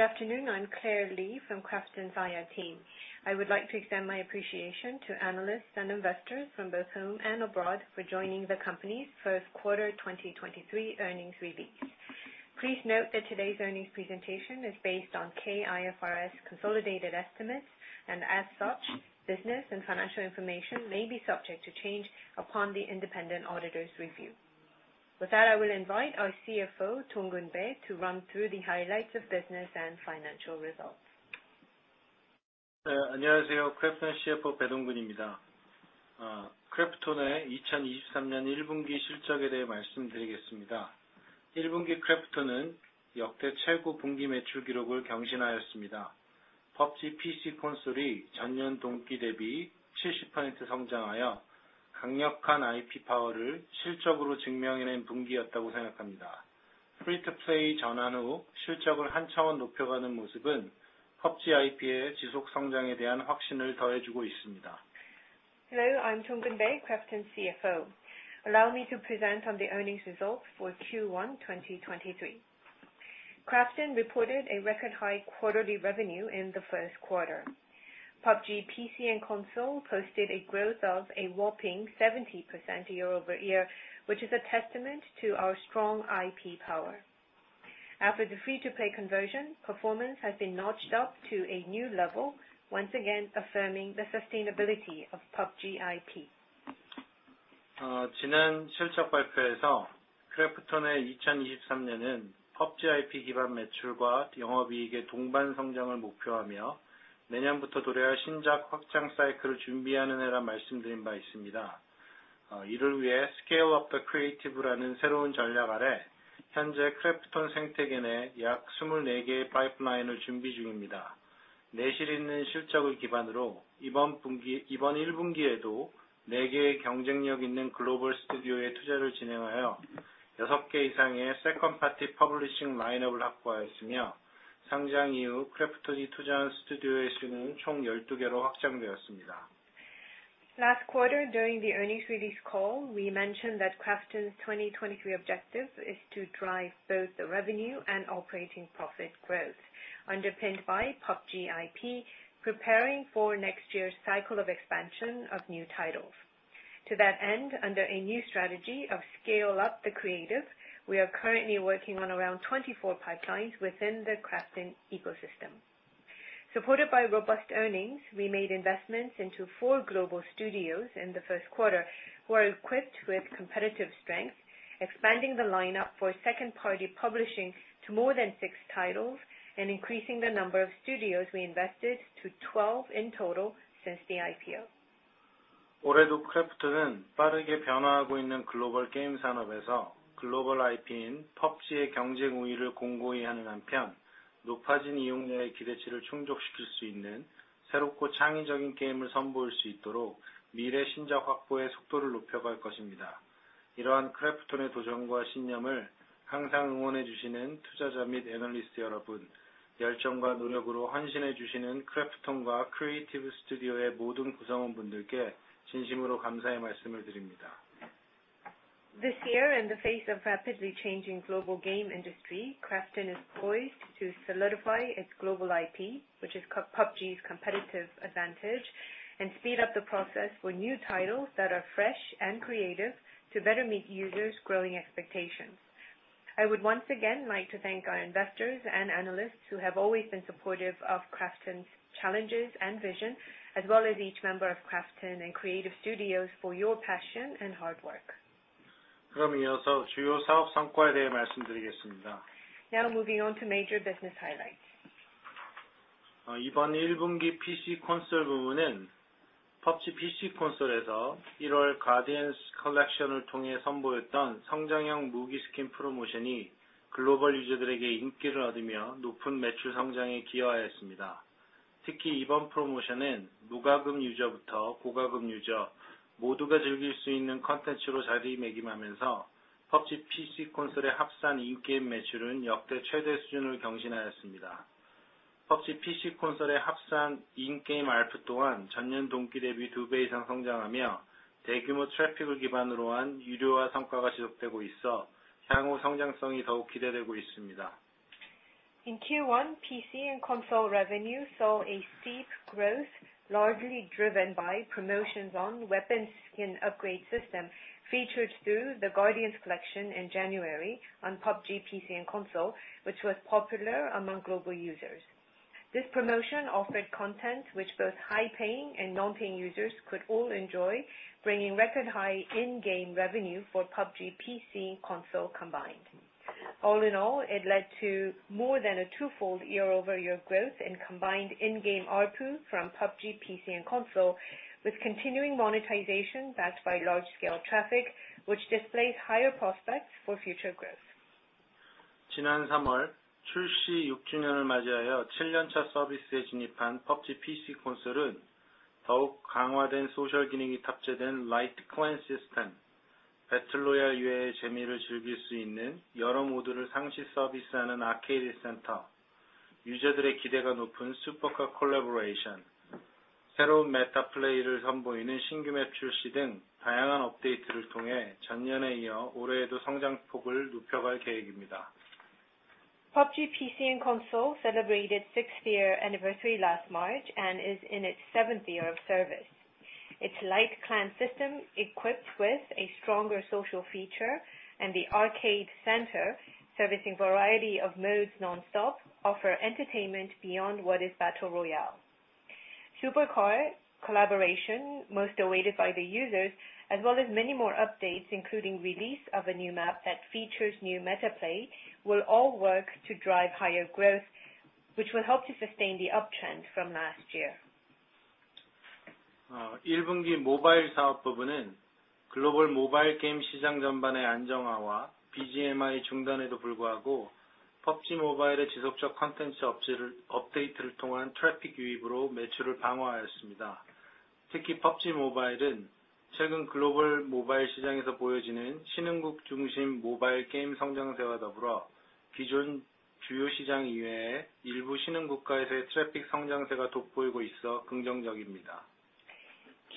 Good afternoon. I'm Claire Lee from KRAFTON's IR team. I would like to extend my appreciation to analysts and investors from both home and abroad for joining the company's first quarter 2023 earnings release. Please note that today's earnings presentation is based on K-IFRS consolidated estimates, and as such, business and financial information may be subject to change upon the independent auditor's review. With that, I will invite our CFO, Dong-Geun Bae, to run through the highlights of business and financial results. Hello. I'm KRAFTON's CFO, Dong-Geun Bae. I will speak about KRAFTON's 2023 1Q earnings. 1Q KRAFTON set a new record-high quarterly revenue. I believe this was a quarter where PUBG PC and Console grew 70% year-over-year, proving strong IP power with its performance. The way performance is being elevated to a new level after the free-to-play transition adds confidence in PUBG IP's continuous growth. Hello, I'm Dong-Geun Bae, KRAFTON's CFO. Allow me to present on the earnings results for Q1 2023. KRAFTON reported a record high quarterly revenue in the first quarter. PUBG PC and Console posted a growth of a whopping 70% year-over-year, which is a testament to our strong IP power. After the free-to-play conversion, performance has been notched up to a new level, once again affirming the sustainability of PUBG IP. 지난 실적 발표에서 KRAFTON의 2023년은 PUBG IP 기반 매출과 영업이익의 동반 성장을 목표하며 내년부터 도래할 신작 확장 사이클을 준비하는 해라 말씀드린 바 있습니다. 이를 위해 Scale-up the Creative라는 새로운 전략 아래 현재 KRAFTON 생태계 내약 24개의 파이프라인을 준비 중입니다. 내실 있는 실적을 기반으로 이번 1분기에도 4개의 경쟁력 있는 글로벌 스튜디오에 투자를 진행하여 6개 이상의 Second Party Publishing lineup을 확보하였으며, 상장 이후 KRAFTON이 투자한 스튜디오의 수는 총 12개로 확장되었습니다. Last quarter, during the earnings release call, we mentioned that KRAFTON's 2023 objective is to drive both the revenue and operating profit growth underpinned by PUBG IP, preparing for next year's cycle of expansion of new titles. To that end, under a new strategy of Scale-up the Creative, we are currently working on around 24 pipelines within the KRAFTON ecosystem. Supported by robust earnings, we made investments into four global studios in the first quarter who are equipped with competitive strength, expanding the lineup for Second Party Publishing to more than six titles and increasing the number of studios we invested to 12 in total since the IPO. 올해도 KRAFTON은 빠르게 변화하고 있는 글로벌 게임 산업에서 글로벌 IP인 PUBG의 경쟁 우위를 공고히 하는 한편, 높아진 이용자의 기대치를 충족시킬 수 있는 새롭고 창의적인 게임을 선보일 수 있도록 미래 신작 확보에 속도를 높여갈 것입니다. 이러한 KRAFTON의 도전과 신념을 항상 응원해 주시는 투자자 및 애널리스트 여러분, 열정과 노력으로 헌신해 주시는 KRAFTON과 크리에이티브 스튜디오의 모든 구성원분들께 진심으로 감사의 말씀을 드립니다. This year, in the face of rapidly changing global game industry, KRAFTON is poised to solidify its global IP, which is PUBG's competitive advantage, and speed up the process for new titles that are fresh and creative to better meet users' growing expectations. I would once again like to thank our investors and analysts who have always been supportive of KRAFTON's challenges and vision, as well as each member of KRAFTON and creative studios for your passion and hard work. 그럼 이어서 주요 사업 성과에 대해 말씀드리겠습니다. Now moving on to major business highlights. 어, 이번 일분기 PC and Console 부분은 PUBG PC and Console에서 일월 Guardians Collection을 통해 선보였던 성장형 무기 스킨 프로모션이 글로벌 유저들에게 인기를 얻으며 높은 매출 성장에 기여하였습니다. 특히 이번 프로모션은 무과금 유저부터 고과금 유저 모두가 즐길 수 있는 콘텐츠로 자리매김하면서 PUBG PC Console의 합산 in-game 매출은 역대 최대 수준을 경신하였습니다. PUBG PC Console의 합산 in-game ARPU 또한 전년 동기 대비 두배 이상 성장하며, 대규모 트래픽을 기반으로 한 유료화 성과가 지속되고 있어 향후 성장성이 더욱 기대되고 있습니다. In Q1, PC and Console revenue saw a steep growth, largely driven by promotions on weapon skin upgrade system, featured through the Guardians Collection in January on PUBG PC and Console, which was popular among global users. This promotion offered content which both high-paying and non-paying users could all enjoy, bringing record high in-game revenue for PUBG PC and Console combined. All in all, it led to more than a twofold year-over-year growth in combined in-game ARPU from PUBG PC and Console, with continuing monetization backed by large scale traffic, which displays higher prospects for future growth. 지난 3월 출시 6주년을 맞이하여 7년 차 서비스에 진입한 PUBG PC Console은 더욱 강화된 소셜 기능이 탑재된 Lite Clan System, Battle Royale 이외의 재미를 즐길 수 있는 여러 모드를 상시 서비스하는 Arcade Center, 유저들의 기대가 높은 Super Car Collaboration 새로운 메타 플레이를 선보이는 신규 맵 출시 등 다양한 업데이트를 통해 전년에 이어 올해에도 성장폭을 높여갈 계획입니다. PUBG PC and console celebrated sixth year anniversary last March and is in its seventh year of service. Its Lite Clan System, equipped with a stronger social feature and the Arcade center servicing variety of modes nonstop, offer entertainment beyond what is Battle Royale. Super Car Collaboration, most awaited by the users, as well as many more updates, including release of a new map that features new meta play, will all work to drive higher growth, which will help to sustain the uptrend from last year. Uh, 일 분기 모바일 사업 부문은 글로벌 모바일 게임 시장 전반의 안정화와 BGMI 중단에도 불구하고 PUBG 모바일의 지속적 콘텐츠 업질- 업데이트를 통한 트래픽 유입으로 매출을 방어하였습니다. 특히 PUBG 모바일은 최근 글로벌 모바일 시장에서 보여지는 신흥국 중심 모바일 게임 성장세와 더불어 기존 주요 시장 이외에 일부 신흥 국가에서의 트래픽 성장세가 돋보이고 있어 긍정적입니다.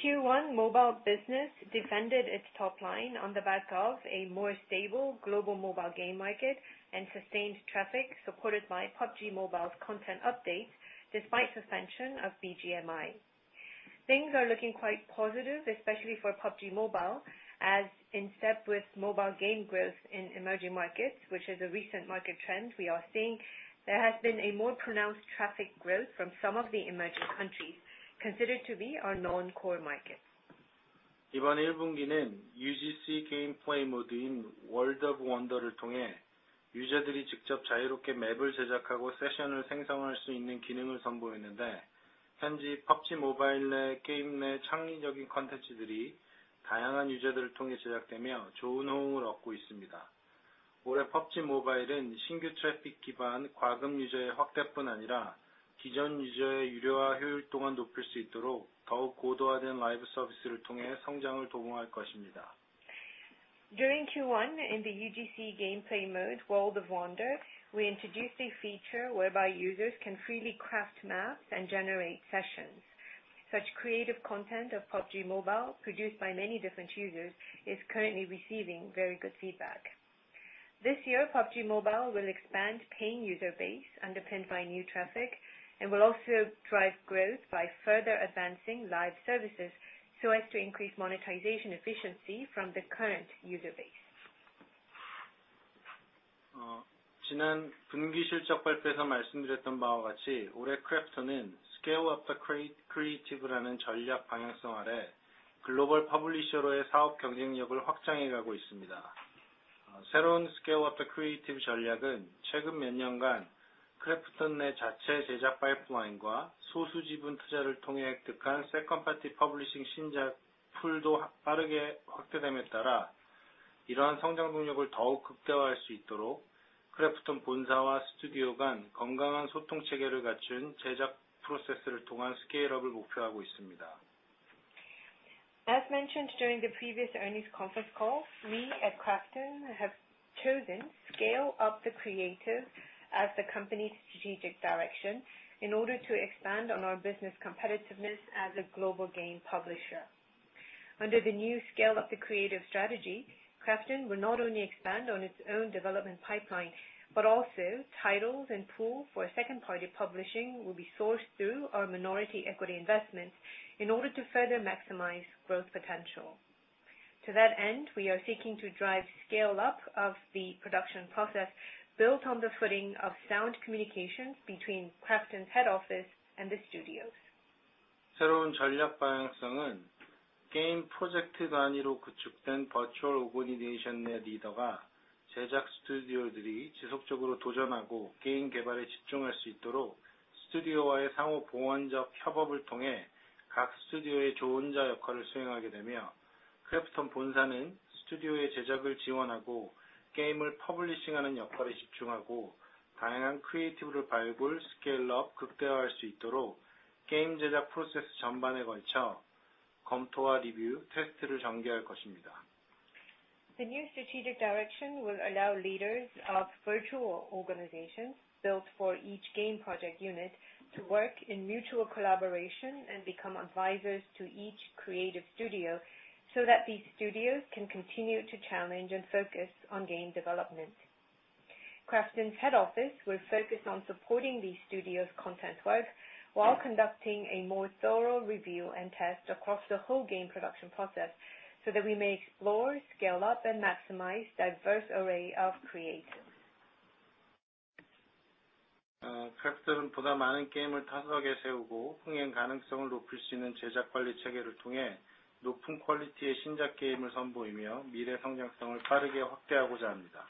Q1 mobile business defended its top line on the back of a more stable global mobile game market and sustained traffic supported by PUBG Mobile's content updates despite suspension of BGMI. Things are looking quite positive, especially for PUBG Mobile, as in step with mobile game growth in emerging markets, which is a recent market trend we are seeing, there has been a more pronounced traffic growth from some of the emerging countries considered to be our non-core markets. 이번 일 분기는 UGC 게임 플레이 모드인 World of Wonder를 통해 유저들이 직접 자유롭게 맵을 제작하고 세션을 생성할 수 있는 기능을 선보이는데, 현재 PUBG 모바일 내 게임 내 창의적인 콘텐츠들이 다양한 유저들을 통해 제작되며 좋은 호응을 얻고 있습니다. 올해 PUBG 모바일은 신규 트래픽 기반 과금 유저의 확대뿐 아니라 기존 유저의 유료화 효율 또한 높일 수 있도록 더욱 고도화된 라이브 서비스를 통해 성장을 도모할 것입니다. 지난 분기 실적 발표에서 말씀드렸던 바와 같이 올해 KRAFTON은 Scale-up the Creative라는 전략 방향성 아래 글로벌 퍼블리셔로의 사업 경쟁력을 확장해가고 있습니다. 새로운 Scale-up the Creative 전략은 최근 몇 년간 KRAFTON 내 자체 제작 파이프라인과 소수 지분 투자를 통해 획득한 Second Party Publishing 신작 풀도 빠르게 확대됨에 따라 이러한 성장 동력을 더욱 극대화할 수 있도록 KRAFTON 본사와 스튜디오 간 건강한 소통 체계를 갖춘 제작 프로세스를 통한 스케일 업을 목표하고 있습니다. As mentioned during the previous earnings conference call, we at KRAFTON have chosen Scale-up the Creative as the company's strategic direction in order to expand on our business competitiveness as a global game publisher. Under the new Scale-up the Creative strategy, KRAFTON will not only expand on its own development pipeline, but also titles and pool for a Second Party Publishing will be sourced through our minority equity investments in order to further maximize growth potential. To that end, we are seeking to drive scale up of the production process built on the footing of sound communications between KRAFTON's head office and the studios. 새로운 전략 방향성은 게임 프로젝트 단위로 구축된 Virtual Organization 내 리더가 제작 스튜디오들이 지속적으로 도전하고 게임 개발에 집중할 수 있도록 스튜디오와의 상호 보완적 협업을 통해 각 스튜디오의 조언자 역할을 수행하게 되며, 크래프톤 본사는 스튜디오의 제작을 지원하고 게임을 퍼블리싱하는 역할에 집중하고, 다양한 크리에이티브를 발굴, 스케일 업 극대화할 수 있도록 게임 제작 프로세스 전반에 걸쳐 검토와 리뷰, 테스트를 전개할 것입니다. The new strategic direction will allow leaders of Virtual Organizations built for each game project unit to work in mutual collaboration and become advisors to each creative studio, so that these studios can continue to challenge and focus on game development. KRAFTON's head office will focus on supporting the studio's content work while conducting a more thorough review and test across the whole game production process so that we may explore, scale up, and maximize diverse array of creatives. KRAFTON은 보다 많은 게임을 타석에 세우고 흥행 가능성을 높일 수 있는 제작 관리 체계를 통해 높은 퀄리티의 신작 게임을 선보이며 미래 성장성을 빠르게 확대하고자 합니다.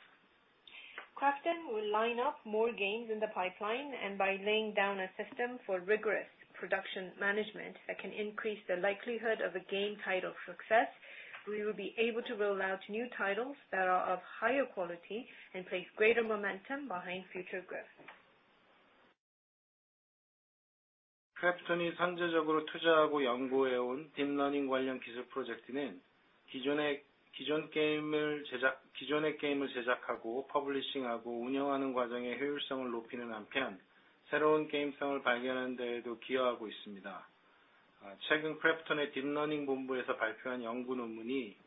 KRAFTON will line up more games in the pipeline, and by laying down a system for rigorous production management that can increase the likelihood of a game title success, we will be able to roll out new titles that are of higher quality and place greater momentum behind future growth. KRAFTON이 잠재적으로 투자하고 연구해온 deep learning 관련 기술 프로젝트는 기존의 게임을 제작하고 publishing 하고 운영하는 과정의 효율성을 높이는 한편, 새로운 게임성을 발견하는 데에도 기여하고 있습니다. 최근 KRAFTON의 deep learning 본부에서 발표한 연구 논문이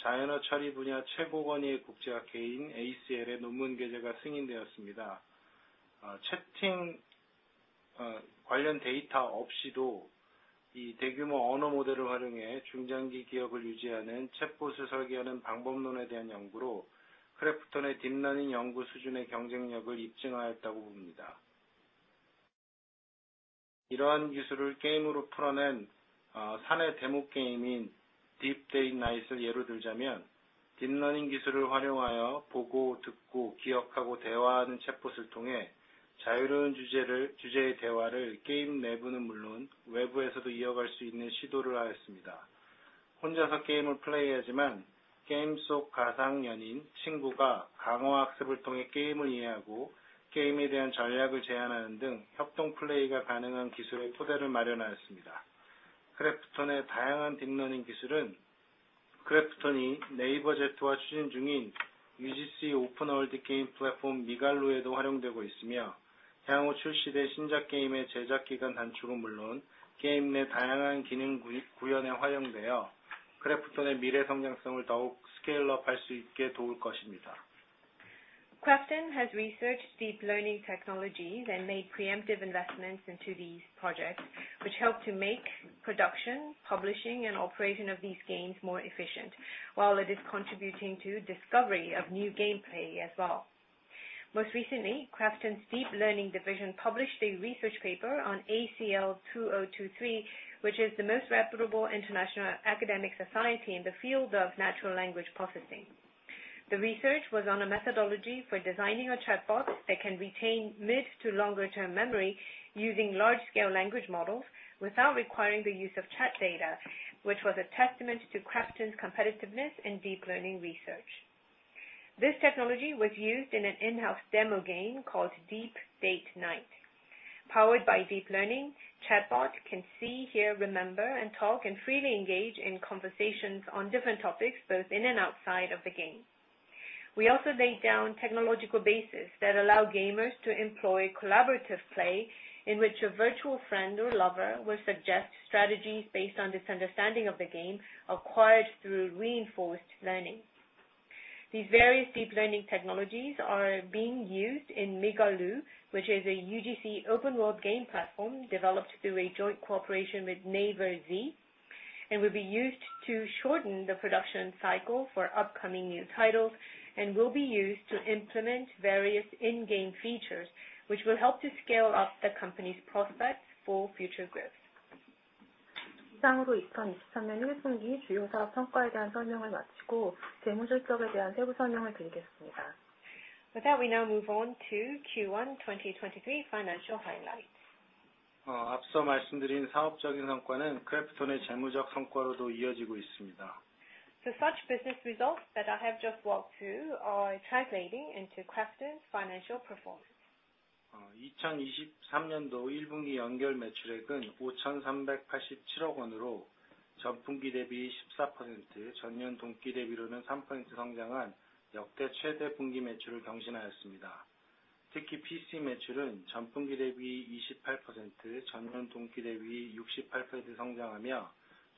natural language processing 분야 최고 권위의 국제학회인 ACL에 논문 게재가 승인되었습니다. 채팅 관련 데이터 없이도 이 대규모 언어 모델을 활용해 중장기 기억을 유지하는 chatbot을 설계하는 방법론에 대한 연구로 KRAFTON의 deep learning 연구 수준의 경쟁력을 입증하였다고 봅니다. 이러한 기술을 게임으로 풀어낸 사내 데모 게임인 Deep Date Night을 예로 들자면, deep learning 기술을 활용하여 보고 듣고 기억하고 대화하는 chatbot을 통해 자유로운 주제의 대화를 게임 내부는 물론 외부에서도 이어갈 수 있는 시도를 하였습니다. 혼자서 게임을 플레이하지만 게임 속 가상 연인, 친구가 reinforcement learning을 통해 게임을 이해하고 게임에 대한 전략을 제안하는 등 협동 플레이가 가능한 기술의 토대를 마련하였습니다. 크래프톤의 다양한 딥러닝 기술은 크래프톤이 네이버제트와 추진 중인 UGC 오픈월드 게임 플랫폼 미갈루에도 활용되고 있으며, 향후 출시될 신작 게임의 제작 기간 단축은 물론 게임 내 다양한 기능 구이, 구현에 활용되어 크래프톤의 미래 성장성을 더욱 scale up 할수 있게 도울 것입니다. KRAFTON has researched deep learning technologies and made preemptive investments into these projects, which help to make production, publishing, and operation of these games more efficient, while it is contributing to discovery of new gameplay as well. Most recently, KRAFTON's deep learning division published a research paper on ACL 2023, which is the most reputable international academic society in the field of natural language processing. The research was on a methodology for designing a chatbot that can retain mid to longer term memory using large-scale language models without requiring the use of chat data, which was a testament to KRAFTON's competitiveness in deep learning research. This technology was used in an in-house demo game called Deep Date Night. Powered by deep learning, chatbot can see, hear, remember, and talk, and freely engage in conversations on different topics, both in and outside of the game. We also laid down technological bases that allow gamers to employ collaborative play, in which a virtual friend or lover will suggest strategies based on this understanding of the game acquired through reinforcement learning. These various deep learning technologies are being used in Migaloo, which is a UGC open-world game platform developed through a joint cooperation with NAVER Z, and will be used to shorten the production cycle for upcoming new titles, and will be used to implement various in-game features, which will help to scale up the company's prospects for future growth. 이상으로 2023년 Q1 주요 사업 성과에 대한 설명을 마치고 재무 실적에 대한 세부 설명을 드리겠습니다. With that, we now move on to Q1 2023 financial highlights. 어, 앞서 말씀드린 사업적인 성과는 크래프톤의 재무적 성과로도 이어지고 있습니다. Such business results that I have just walked through are translating into KRAFTON's financial performance. 어, 이천이십삼년도 일분기 연결 매출액은 오천삼백팔십칠억 원으로 전분기 대비 십사퍼센트, 전년 동기 대비로는 삼퍼센트 성장한 역대 최대 분기 매출을 경신하였습니다. 특히 PC 매출은 전분기 대비 이십팔퍼센트, 전년 동기 대비 육십팔퍼센트 성장하며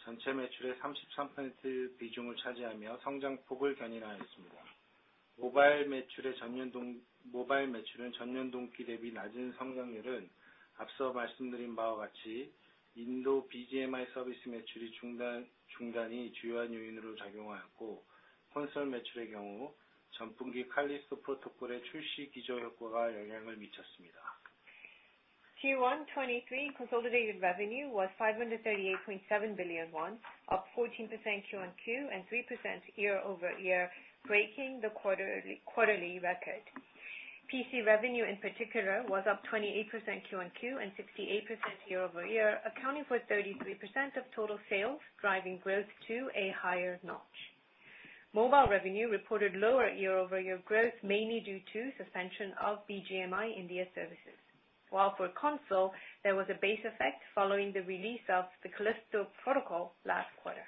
전체 매출의 삼십삼퍼센트 비중을 차지하며 성장폭을 견인하였습니다. 모바일 매출의 전년 동-- 모바일 매출은 전년 동기 대비 낮은 성장률은 앞서 말씀드린 바와 같이 인도 BGMI 서비스 매출이 중단, 중단이 주요한 요인으로 작용하였고, 콘솔 매출의 경우 전분기 칼리스토 프로토콜의 출시 기저효과가 영향을 미쳤습니다. Q1 2023 consolidated revenue was 538.7 billion won, up 14% quarter-over-quarter, and 3% year-over-year, breaking the quarterly record. PC revenue in particular was up 28% quarter-over-quarter, and 68% year-over-year, accounting for 33% of total sales, driving growth to a higher notch. Mobile revenue reported lower year-over-year growth, mainly due to suspension of BGMI services. For console, there was a base effect following the release of The Callisto Protocol last quarter.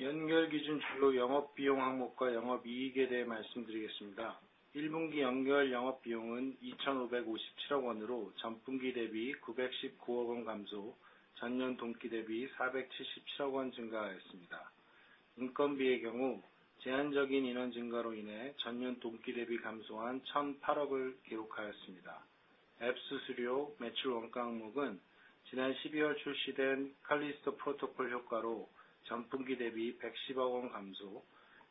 연결 기준 주요 영업 비용 항목과 영업 이익에 대해 말씀드리겠습니다. 1분기 연결 영업 비용은 KRW 255.7 billion으로 전분기 대비 91.9 billion 감소, 전년 동기 대비 47.7 billion 증가하였습니다. 인건비의 경우 제한적인 인원 증가로 인해 전년 동기 대비 감소한 100.8 billion을 기록하였습니다. 앱 수수료, 매출 원가 항목은 지난 12월 출시된 칼리스토 프로토콜 효과로 전분기 대비 11 billion 감소,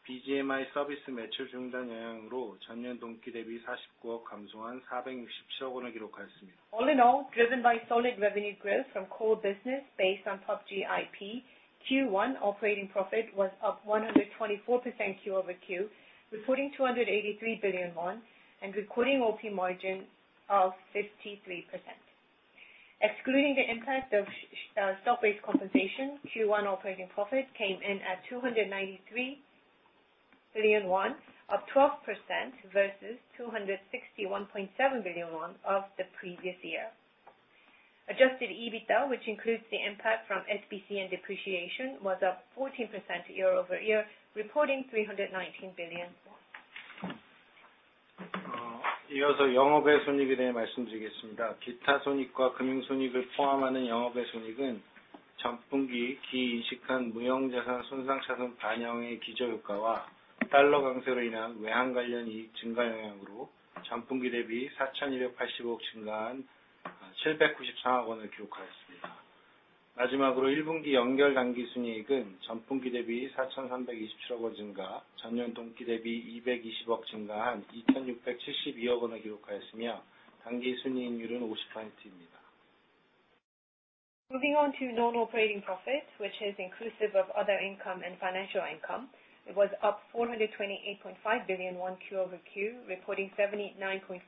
BGMI 서비스 매출 중단 영향으로 전년 동기 대비 4.9 billion 감소한 46.7 billion을 기록하였습니다. All in all, driven by solid revenue growth from core business based on PUBG IP, Q1 operating profit was up 124% Q-over-Q, reporting 283 billion won, and recording OP margin of 53%. Excluding the impact of stock-based compensation, Q1 operating profit came in at 293 billion won. Of 12% versus 261.7 billion won of the previous year. Adjusted EBITDA, which includes the impact from SBC and depreciation, was up 14% year-over-year, reporting KRW 319 billion. Moving on to normal trading profit, which is inclusive of other income and financial income. It was up 428.5 billion won Q-over-Q, reporting 79.4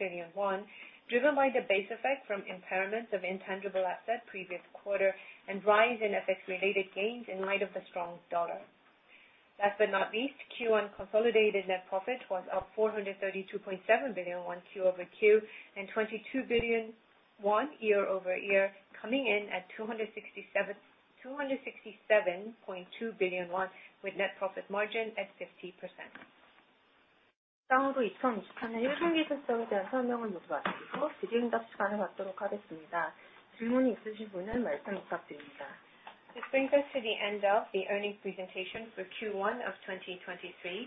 billion won, driven by the base effect from impairment of intangible asset previous quarter and rise in FX related gains in light of the strong dollar. Q1 consolidated net profit was up 432.7 billion Q-over-Q and 22 billion year-over-year, coming in at 267.2 billion won, with net profit margin at 50%. This brings us to the end of the earnings presentation for Q1 of 2023.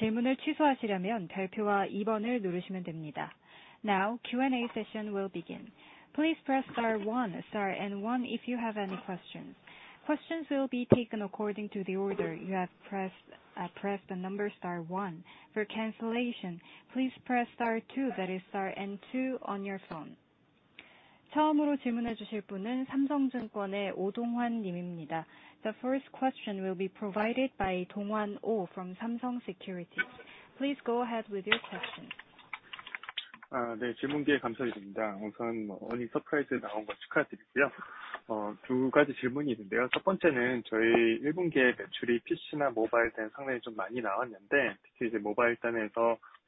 We will now entertain your questions. Now Q&A session will begin. Please press star one, star and one if you have any questions. Questions will be taken according to the order you have pressed the number star one. For cancellation, please press star two, that is star and two on your phone. The first question will be provided by Dong-Hwan Oh from Samsung Securities. Please go ahead with your question.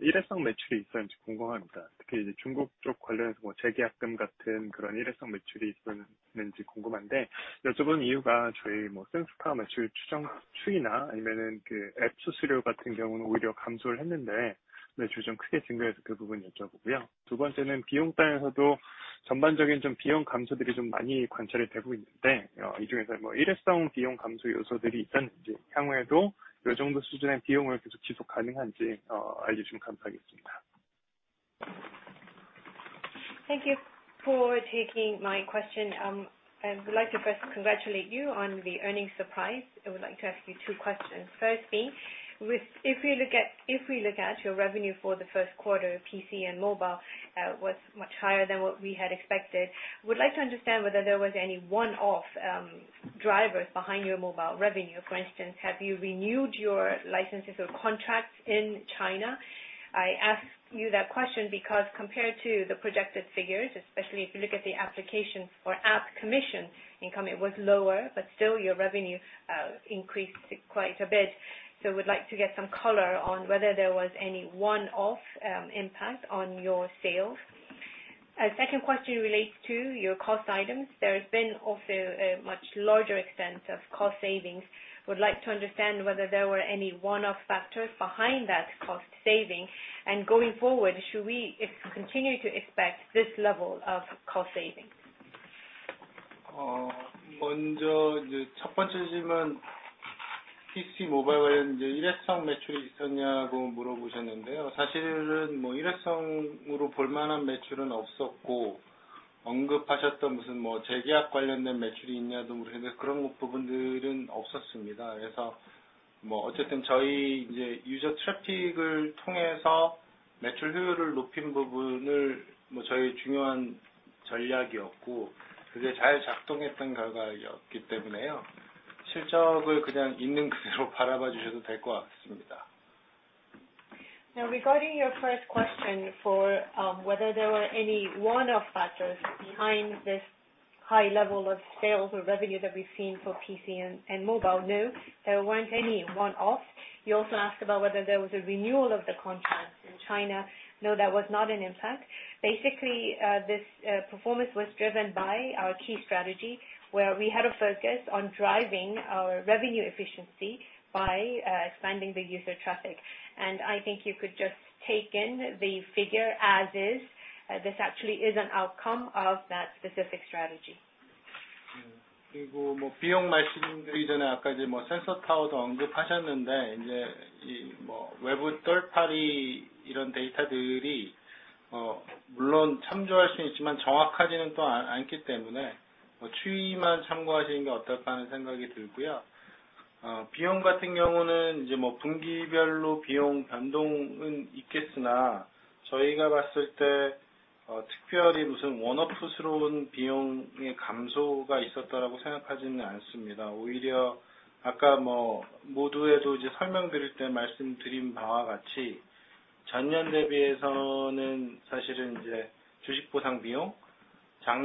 Thank you for taking my question. I would like to first congratulate you on the earnings surprise. I would like to ask you two questions. Firstly, if we look at your revenue for the first quarter, PC and mobile was much higher than what we had expected. I would like to understand whether there was any one-off drivers behind your mobile revenue. For instance, have you renewed your licenses or contracts in China? I ask you that question because compared to the projected figures, especially if you look at the applications for app commission income, it was lower, but still your revenue increased quite a bit. We'd like to get some color on whether there was any one-off impact on your sales. A second question relates to your cost items. There has been also a much larger extent of cost savings. Would like to understand whether there were any one-off factors behind that cost saving. Going forward, should we continue to expect this level of cost saving? Now, regarding your first question for whether there were any one-off factors behind this high level of sales or revenue that we've seen for PC and mobile. No, there weren't any one-off. You also asked about whether there was a renewal of the contracts in China. No, that was not an impact. Basically, this performance was driven by our key strategy, where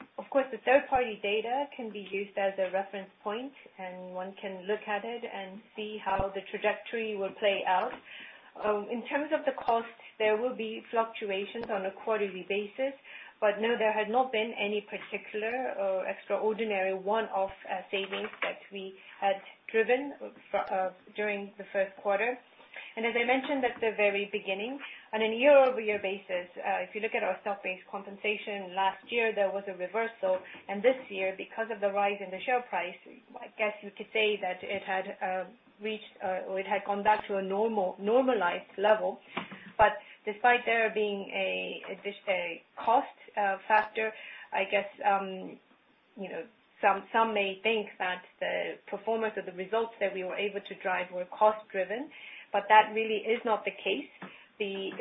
we had a focus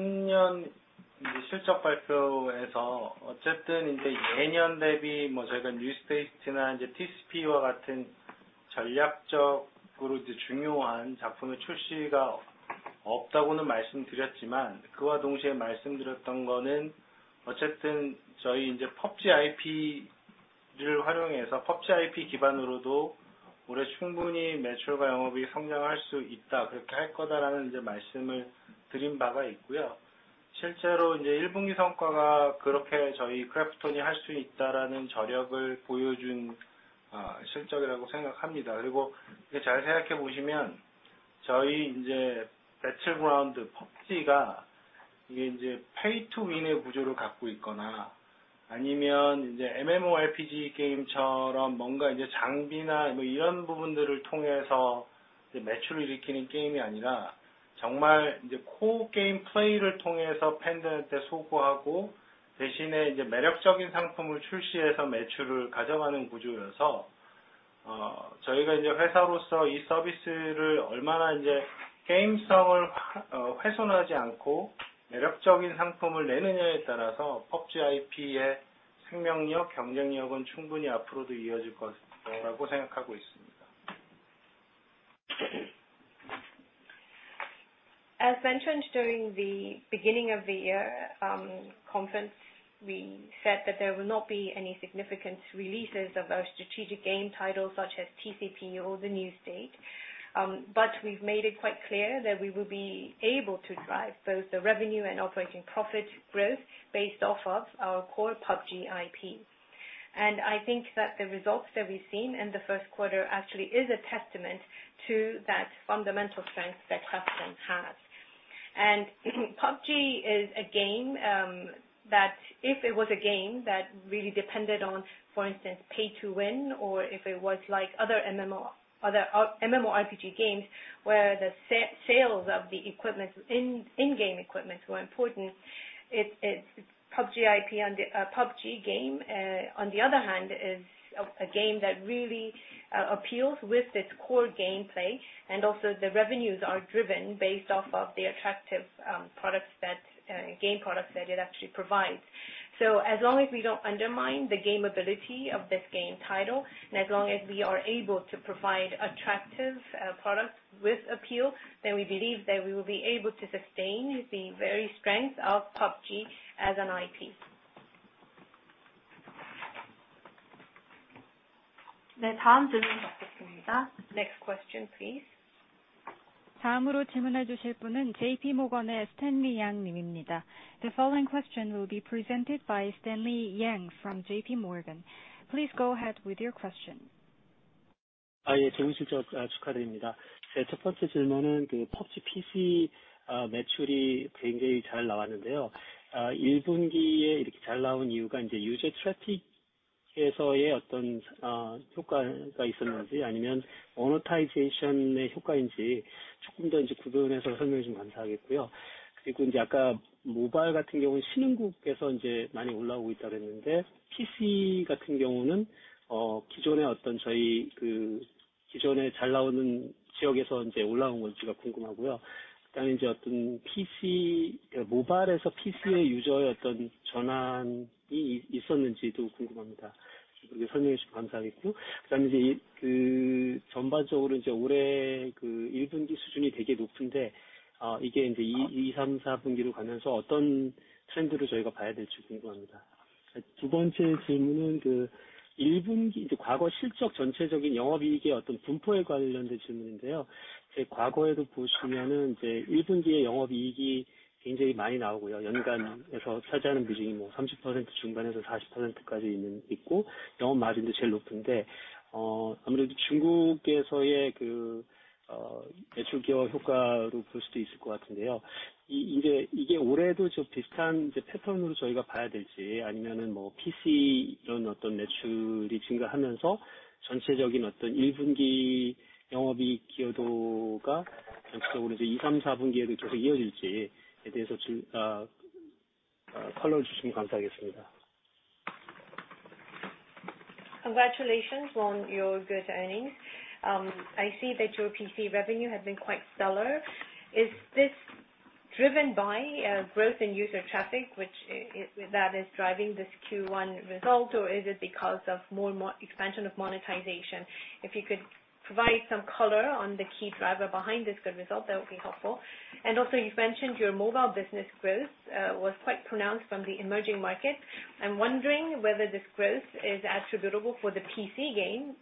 on driving our revenue efficiency by expanding the user traffic. I think you could just take in the figure as is. This actually is an outcome of that specific strategy. PUBG is a game, that if it was a game that really depended on, for instance, pay-to-win, or if it was like other MMORPG games where the sales of the equipment in-game equipment were important, it's PUBG IP on the PUBG game on the other hand, is a game that really appeals with its core gameplay, and also the revenues are driven based off of the attractive, products that game products that it actually provides. As long as we don't undermine the game ability of this game title, and as long as we are able to provide attractive, products with appeal, then we believe that we will be able to sustain the very strength of PUBG as an IP. 네, 다음 질문 받겠습니다. Next question, please. 다음으로 질문해 주실 분은 JPMorgan의 Stanley Yang 님입니다. The following question will be presented by Stanley Yang from JPMorgan. Please go ahead with your question. 좋은 실적, 축하드립니다. 첫 번째 질문은 그 PUBG PC, 매출이 굉장히 잘 나왔는데요. Q1에 이렇게 잘 나온 이유가 이제 user traffic에서의 어떤 효과가 있었는지 아니면 monetization의 효과인지 조금 더 이제 구분해서 설명해 주면 감사하겠고요. 아까 mobile 같은 경우는 신흥국에서 이제 많이 올라오고 있다 그랬는데 PC 같은 경우는 기존의 어떤 저희 그 기존에 잘 나오는 지역에서 이제 올라온 건지가 궁금하고요. 어떤 PC, mobile에서 PC의 user의 어떤 전환이 있었는지도 궁금합니다. 그 부분에 설명해 주시면 감사하겠고요. 전반적으로 이제 올해 그 Q1 수준이 되게 높은데 이게 이제 Q2, Q3, Q4로 가면서 어떤 trend를 저희가 봐야 될지 궁금합니다. 두 번째 질문은 그 Q1 이제 과거 실적 전체적인 영업이익의 어떤 분포에 관련된 질문인데요. 과거에도 보시면은 Q1에 영업이익이 굉장히 많이 나오고요. 연간에서 차지하는 비중이 30% 중반에서 40%까지 있고, 영업마진도 제일 높은데 아무래도 중국에서의 매출 기여 효과로 볼 수도 있을 것 같은데요. 이제 이게 올해도 좀 비슷한 패턴으로 저희가 봐야 될지 아니면은 PC 이런 어떤 매출이 증가하면서 전체적인 어떤 Q1 영업이익 기여도가 전체적으로 Q2, Q3, Q4에 계속 이어질지에 대해서 좀 color를 주시면 감사하겠습니다. Congratulations on your good earnings. I see that your PC revenue has been quite stellar. Is this driven by growth in user traffic, which that is driving this Q1 result? Or is it because of more expansion of monetization? If you could provide some color on the key driver behind this good result, that would be helpful. You've mentioned your mobile business growth, was quite pronounced from the emerging market. I'm wondering whether this growth is attributable for the PC game.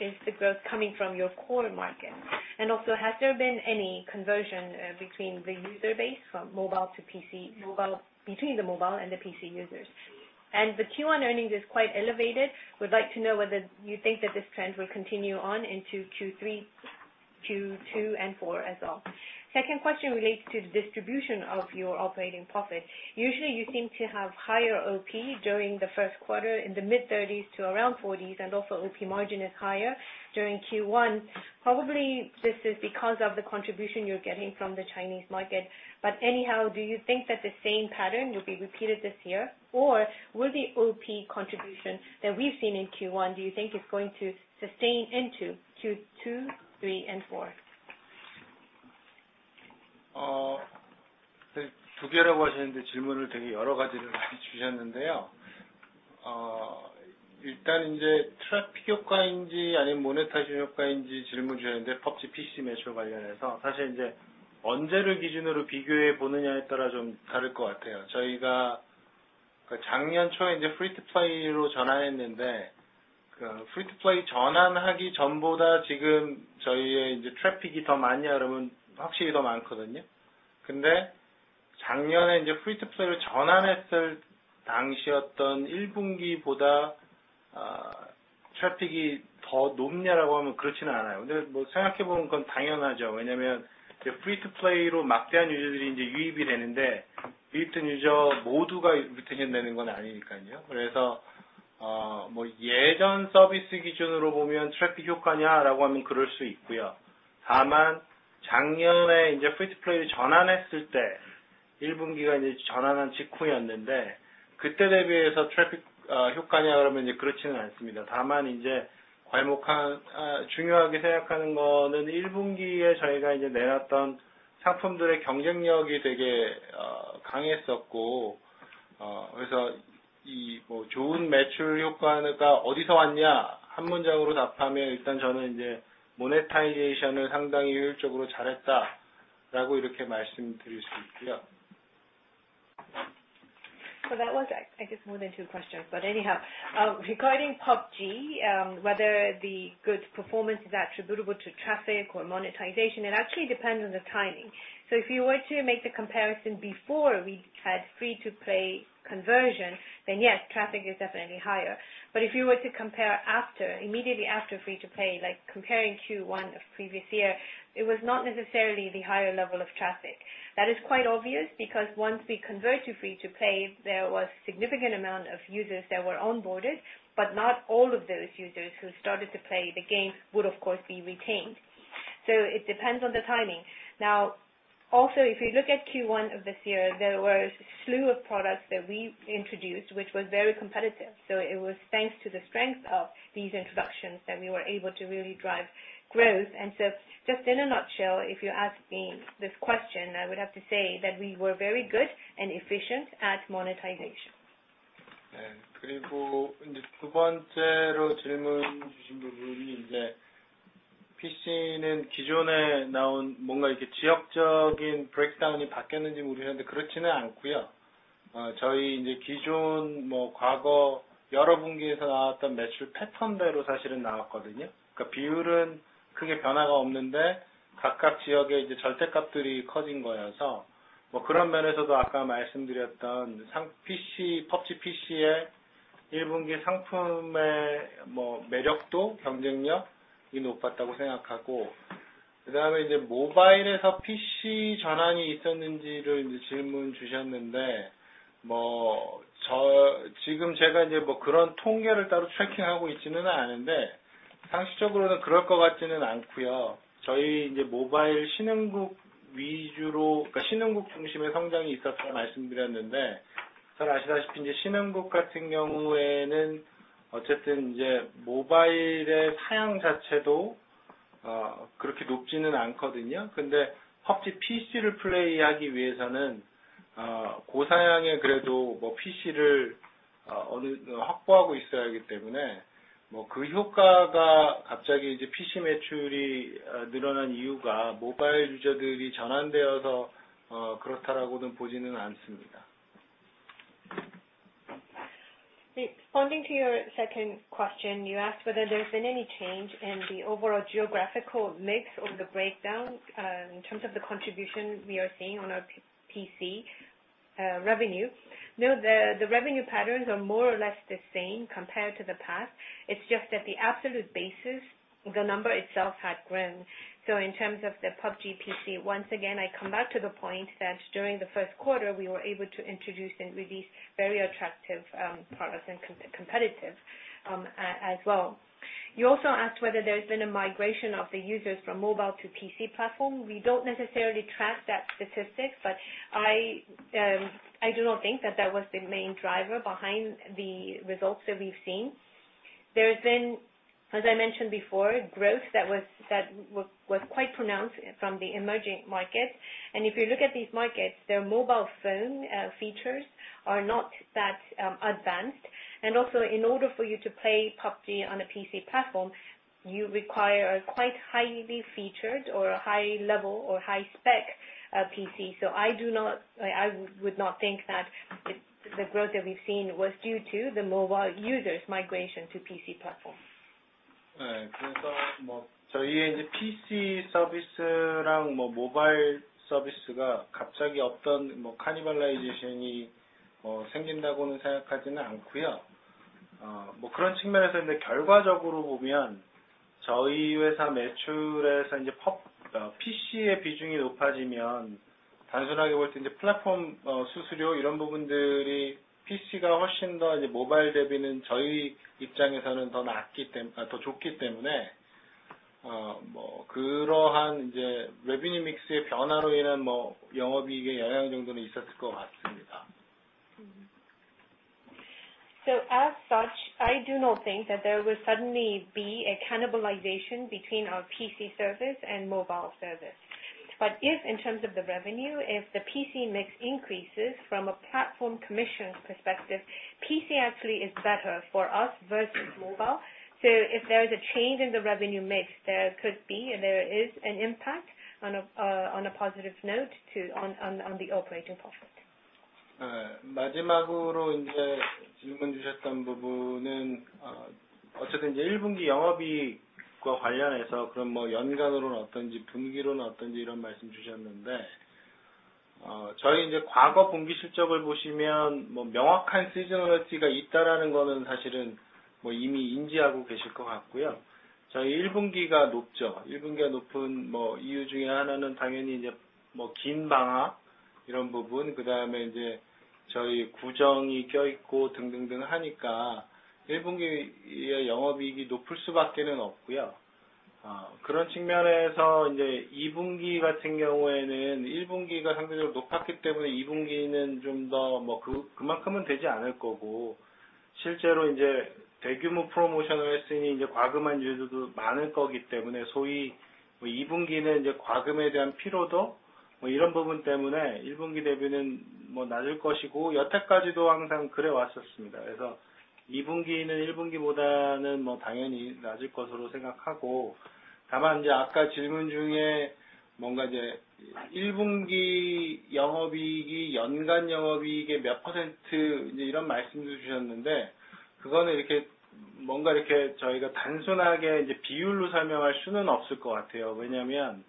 Is the growth coming from your core market? Has there been any conversion between the user base from mobile to PC, mobile between the mobile and the PC users? The Q1 earnings is quite elevated. We'd like to know whether you think that this trend will continue on into Q3, Q2 and Q4 as well. Second question relates to the distribution of your operating profit. Usually you seem to have higher OP during the first quarter in the mid 30s to around 40s%, and also OP margin is higher during Q1. Probably this is because of the contribution you're getting from the Chinese market. Anyhow, do you think that the same pattern will be repeated this year? Will the OP contribution that we've seen in Q1, do you think is going to sustain into Q2, three and four? 2개라고 하셨는데 질문을 되게 여러 가지를 많이 주셨는데요. 일단 이제 traffic 효과인지 아니면 monetization 효과인지 질문 주셨는데 PUBG PC 매출 관련해서 사실 이제 언제를 기준으로 비교해 보느냐에 따라 좀 다를 것 같아요. 저희가 그 작년 초에 이제 free-to-play로 전환했는데 free-to-play 전환하기 전보다 지금 저희의 이제 traffic이 더 많냐 그러면 확실히 더 많거든요. 작년에 이제 free-to-play로 전환했을 당시였던 1분기보다 traffic이 더 높냐라고 하면 그렇지는 않아요. 뭐 생각해 보면 그건 당연하죠. 왜냐하면 free-to-play로 막대한 유저들이 이제 유입이 되는데 유입된 유저 모두가 retention 되는 건 아니니까요. 뭐 예전 서비스 기준으로 보면 traffic 효과냐라고 하면 그럴 수 있고요. 다만 작년에 이제 free-to-play로 전환했을 때 1분기가 이제 전환한 직후였는데 그때 대비해서 traffic 효과냐 그러면 그렇지는 않습니다. 이제 괄목한, 중요하게 생각하는 거는 1분기에 저희가 이제 내놨던 상품들의 경쟁력이 되게 강했었고, 이뭐 좋은 매출 효과가 어디서 왔냐? 한 문장으로 답하면 일단 저는 이제 monetization을 상당히 효율적으로 잘했다라고 이렇게 말씀드릴 수 있고요. That was, I guess, more than two questions. Anyhow, regarding PUBG, whether the good performance is attributable to traffic or monetization, it actually depends on the timing. If you were to make the comparison before we had free-to-play conversion, then yes, traffic is definitely higher. If you were to compare after immediately after free-to-play, like comparing Q1 of previous year, it was not necessarily the higher level of traffic. That is quite obvious because once we convert to free-to-play, there was significant amount of users that were onboarded, but not all of those users who started to play the game would of course be retained. It depends on the timing. Also, if you look at Q1 of this year, there was a slew of products that we introduced which was very competitive. It was thanks to the strength of these introductions that we were able to really drive growth. Just in a nutshell, if you ask me this question, I would have to say that we were very good and efficient at monetization. 두 번째로 질문 주신 부분이 PC는 기존에 나온 뭔가 이렇게 지역적인 breakdown이 바뀌었는지 물으셨는데 그렇지는 않고요. 저희 기존 과거 여러 분기에서 나왔던 매출 패턴대로 사실은 나왔거든요. 비율은 크게 변화가 없는데 각각 지역의 절대값들이 커진 거여서 그런 면에서도 아까 말씀드렸던 PC, PUBG PC의 1분기 상품의 매력도, 경쟁력이 높았다고 생각하고 mobile에서 PC 전환이 있었는지를 질문 주셨는데 지금 제가 그런 통계를 따로 tracking하고 있지는 않는데 상식적으로는 그럴 것 같지는 않고요. 저희 모바일 신흥국 위주로, 신흥국 중심의 성장이 있었다 말씀드렸는데 잘 아시다시피 신흥국 같은 경우에는 어쨌든 모바일의 사양 자체도 그렇게 높지는 않거든요. PUBG PC를 플레이하기 위해서는 고사양의 그래도 PC를 어느 정도 확보하고 있어야 하기 때문에 그 효과가 갑자기 PC 매출이 늘어난 이유가 모바일 유저들이 전환되어서 그렇다라고는 보지는 않습니다. Responding to your second question, you asked whether there's been any change in the overall geographical mix or the breakdown in terms of the contribution we are seeing on our PC revenue. No, the revenue patterns are more or less the same compared to the past. It's just at the absolute basis, the number itself had grown. In terms of the PUBG PC, once again, I come back to the point that during the first quarter, we were able to introduce and release very attractive products and competitive as well. You also asked whether there's been a migration of the users from mobile to PC platform. We don't necessarily track that statistic, but I do not think that that was the main driver behind the results that we've seen. There has been, as I mentioned before, growth that was quite pronounced from the emerging markets. If you look at these markets, their mobile phone features are not that advanced. Also in order for you to play PUBG on a PC platform, you require a quite highly featured or a high level or high spec PC. I would not think that the growth that we've seen was due to the mobile users migration to PC platform. 저희의 이제 PC 서비스랑 뭐 모바일 서비스가 갑자기 어떤 뭐 cannibalization이 생긴다고는 생각하지는 않고요. 그런 측면에서 이제 결과적으로 보면 저희 회사 매출에서 이제 PUB PC의 비중이 높아지면 단순하게 볼때 이제 플랫폼 수수료 이런 부분들이 PC가 훨씬 더 이제 모바일 대비는 저희 입장에서는 더 좋기 때문에 그러한 이제 revenue mix의 변화로 인한 뭐 영업이익의 영향 정도는 있었을 것 같습니다. As such, I do not think that there will suddenly be a cannibalization between our PC service and mobile service. If in terms of the revenue, if the PC mix increases from a platform commission perspective, PC actually is better for us versus mobile. If there is a change in the revenue mix, there could be and there is an impact on a positive note to the operating profit. 마지막으로 이제 질문 주셨던 부분은 어쨌든 이제 일 분기 영업이익과 관련해서 그럼 뭐 연간으로는 어떤지 분기로는 어떤지 이런 말씀 주셨는데, 저희 이제 과거 분기 실적을 보시면 뭐 명확한 seasonality가 있다라는 거는 사실은 뭐 이미 인지하고 계실 것 같고요. 저희 일 분기가 높죠. 일 분기가 높은 뭐 이유 중에 하나는 당연히 이제 뭐긴 방학 이런 부분, 그다음에 이제 저희 구정이 껴있고 등등등 하니까 일 분기의 영업이익이 높을 수밖에는 없고요. 그런 측면에서 이제 이 분기 같은 경우에는 일 분기가 상대적으로 높았기 때문에 이 분기는 좀더뭐 그만큼은 되지 않을 거고, 실제로 이제 대규모 프로모션을 했으니 이제 과금한 유저도 많을 거기 때문에 소위 뭐이 분기는 이제 과금에 대한 피로도 뭐 이런 부분 때문에 일 분기 대비는 뭐 낮을 것이고 여태까지도 항상 그래왔었습니다. 이 분기는 일 분기보다는 뭐 당연히 낮을 것으로 생각하고. 다만 이제 아까 질문 중에 뭔가 이제 일 분기 영업이익이 연간 영업이익의 몇 퍼센트 이제 이런 말씀도 주셨는데, 그거는 이렇게 뭔가 이렇게 저희가 단순하게 이제 비율로 설명할 수는 없을 것 같아요. 왜냐하면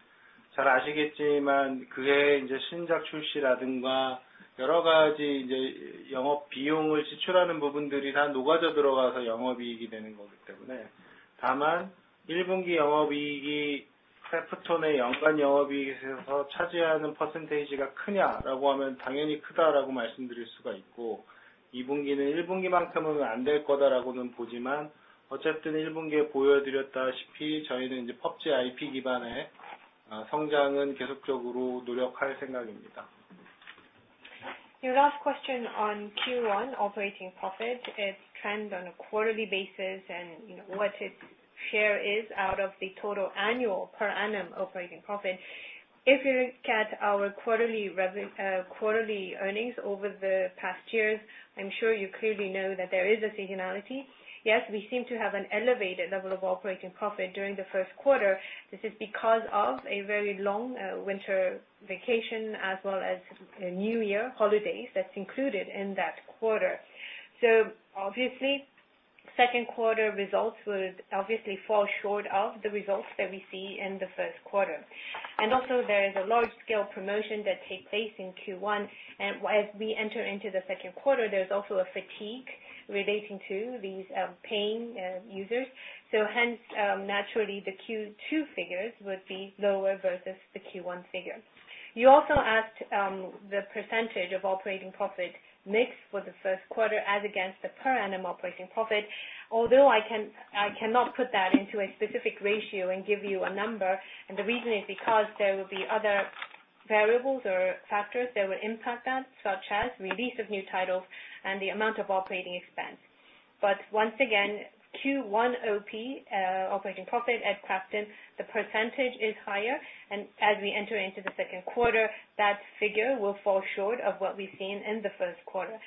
잘 아시겠지만 그해 이제 신작 출시라든가 여러 가지 이제 영업 비용을 지출하는 부분들이 다 녹아져 들어가서 영업이익이 되는 거기 때문에. 다만 일 분기 영업이익이 Krafton의 연간 영업이익에서 차지하는 퍼센테이지가 크냐라고 하면 당연히 크다라고 말씀드릴 수가 있고, 이 분기는 일 분기만큼은 안될 거다라고는 보지만 어쨌든 일 분기에 보여드렸다시피 저희는 이제 PUBG IP 기반의 어, 성장은 계속적으로 노력할 생각입니다. Your last question on Q1 operating profit, its trend on a quarterly basis and, you know, what its share is out of the total annual per annum operating profit. If you look at our quarterly earnings over the past years, I'm sure you clearly know that there is a seasonality. Yes, we seem to have an elevated level of operating profit during the first quarter. This is because of a very long winter vacation as well as a New Year holidays that's included in that quarter. Obviously, second quarter results would obviously fall short of the results that we see in the first quarter. Also there is a large scale promotion that take place in Q1. As we enter into the second quarter, there's also a fatigue relating to these paying users. Hence, naturally the Q2 figures would be lower versus the Q1 figure. You also asked, the percentage of operating profit mix for the first quarter as against the per annum operating profit. Although I cannot put that into a specific ratio and give you a number, and the reason is because there will be other variables or factors that will impact that, such as release of new titles and the amount of operating expense. Once again, Q1 OP, operating profit at KRAFTON, the percentage is higher. As we enter into the second quarter, that figure will fall short of what we've seen in the first quarter.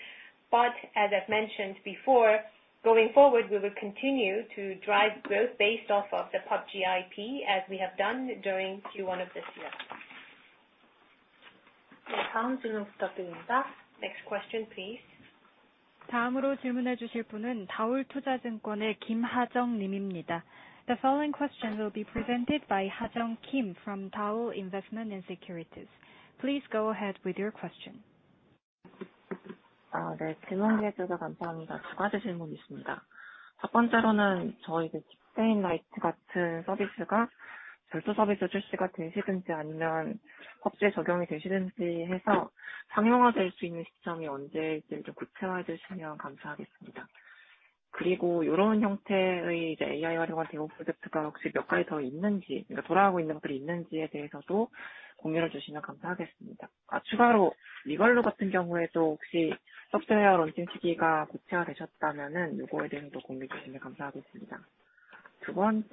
As I've mentioned before, going forward, we will continue to drive growth based off of the PUBG IP as we have done during Q1 of this year. Next question, please. The following question will be presented by Ha-Jung Kim from DAOL Investment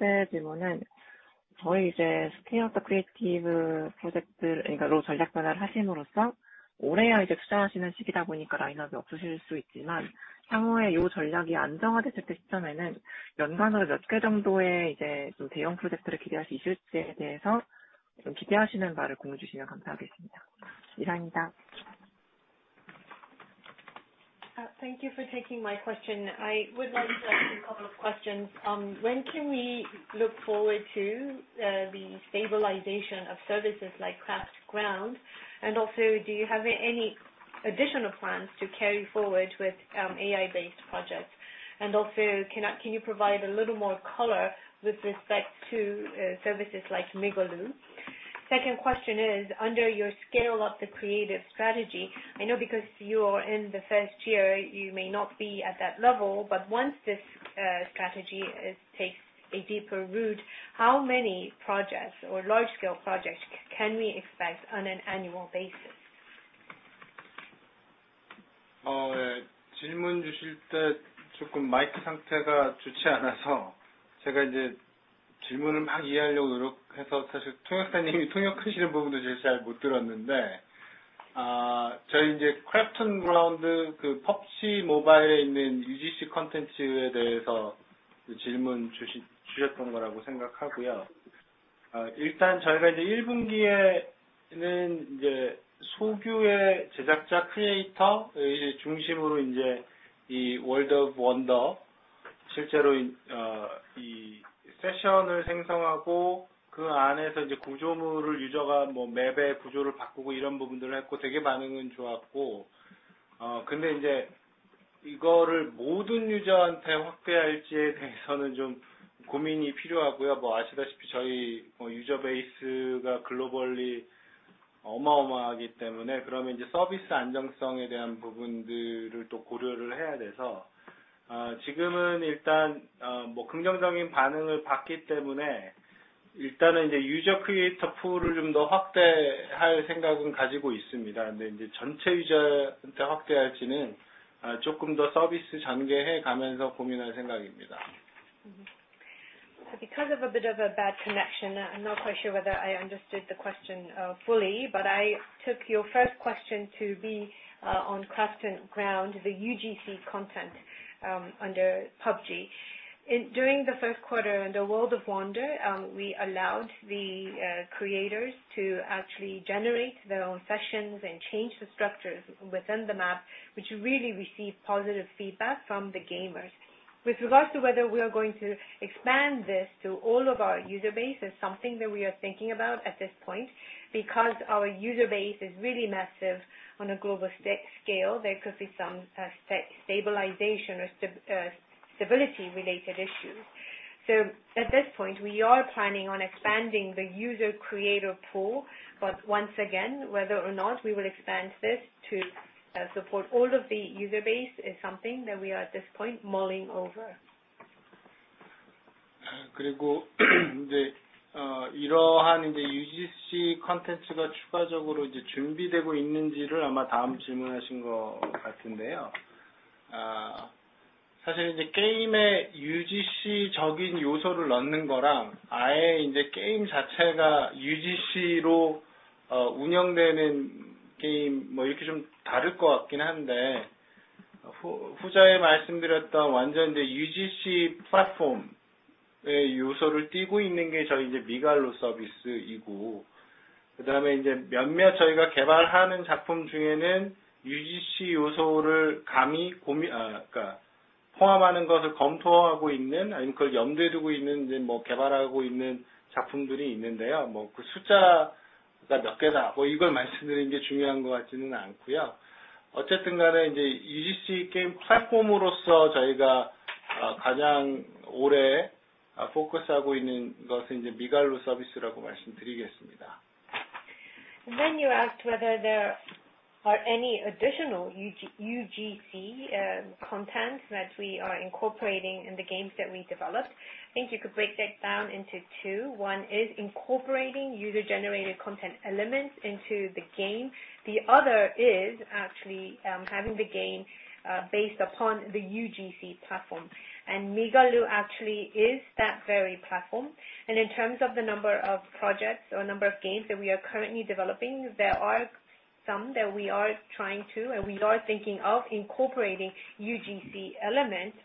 & Securities. Please go ahead with your question. Thank you for taking my question. I would like to ask a couple of questions. When can we look forward to the stabilization of services like Craft Ground? Do you have any additional plans to carry forward with AI-based projects? Can you provide a little more color with respect to services like Migaloo? Second question is, under your Scale-up the Creative strategy, I know because you are in the 1st year, you may not be at that level, but once this strategy takes a deeper root, how many projects or large scale projects can we expect on an annual basis? 질문 주실 때 조금 마이크 상태가 좋지 않아서 제가 이제 질문을 막 이해하려고 노력해서 사실 통역사님이 통역하시는 부분도 제가 잘못 들었는데, 저희 이제 KRAFTON 그라운드 PUBG Mobile에 있는 UGC 콘텐츠에 대해서 질문 주셨던 거라고 생각하고요. 일단 저희가 이제 1분기에는 이제 소규의 제작자 크리에이터 중심으로 이제 이 World of Wonder 실제로 이 세션을 생성하고 그 안에서 이제 구조물을 유저가 뭐 맵의 구조를 바꾸고 이런 부분들을 했고 되게 반응은 좋았고. 이제 이거를 모든 유저한테 확대할지에 대해서는 좀 고민이 필요하고요. 아시다시피 저희 유저 베이스가 globally 어마어마하기 때문에 그러면 이제 서비스 안정성에 대한 부분들을 또 고려를 해야 돼서, 지금은 일단 긍정적인 반응을 받기 때문에 일단은 이제 유저 크리에이터 풀을 좀더 확대할 생각은 가지고 있습니다. 이제 전체 유저한테 확대할지는 조금 더 서비스 전개해 가면서 고민할 생각입니다. Because of a bit of a bad connection, I'm not quite sure whether I understood the question fully, but I took your first question to be on Craft Ground, the UGC content under PUBG. During the first quarter in the World of Wonder, we allowed the creators to actually generate their own sessions and change the structures within the map, which really received positive feedback from the gamers. With regards to whether we are going to expand this to all of our user base is something that we are thinking about at this point. Our user base is really massive on a global scale, there could be some stabilization or stability related issues. At this point, we are planning on expanding the user creator pool, but once again, whether or not we will expand this to support all of the user base is something that we are at this point mulling over. 이제 이러한 이제 UGC 콘텐츠가 추가적으로 이제 준비되고 있는지를 아마 다음 질문하신 것 같은데요. 사실 이제 게임에 UGC적인 요소를 넣는 거랑 아예 이제 게임 자체가 UGC로 운영되는 게임 뭐 이렇게 좀 다를 것 같긴 한데. 후자에 말씀드렸던 완전 이제 UGC 플랫폼의 요소를 띠고 있는 게 저희 이제 Migaloo 서비스이고, 그다음에 이제 몇몇 저희가 개발하는 작품 중에는 UGC 요소를 감히 고민, 그러니까 포함하는 것을 검토하고 있는 아니면 그걸 염두에 두고 있는 이제 뭐 개발하고 있는 작품들이 있는데요. 뭐그 숫자가 몇 개다 뭐 이걸 말씀드리는 게 중요한 것 같지는 않고요. 어쨌든 간에 이제 UGC 게임 플랫폼으로서 저희가 가장 오래 포커스하고 있는 것은 이제 Migaloo 서비스라고 말씀드리겠습니다. You asked whether there are any additional UGC content that we are incorporating in the games that we develop. I think you could break that down into two. One is incorporating user-generated content elements into the game. The other is actually having the game based upon the UGC platform. Migaloo actually is that very platform. In terms of the number of projects or number of games that we are currently developing, there are some that we are trying to and we are thinking of incorporating UGC elements,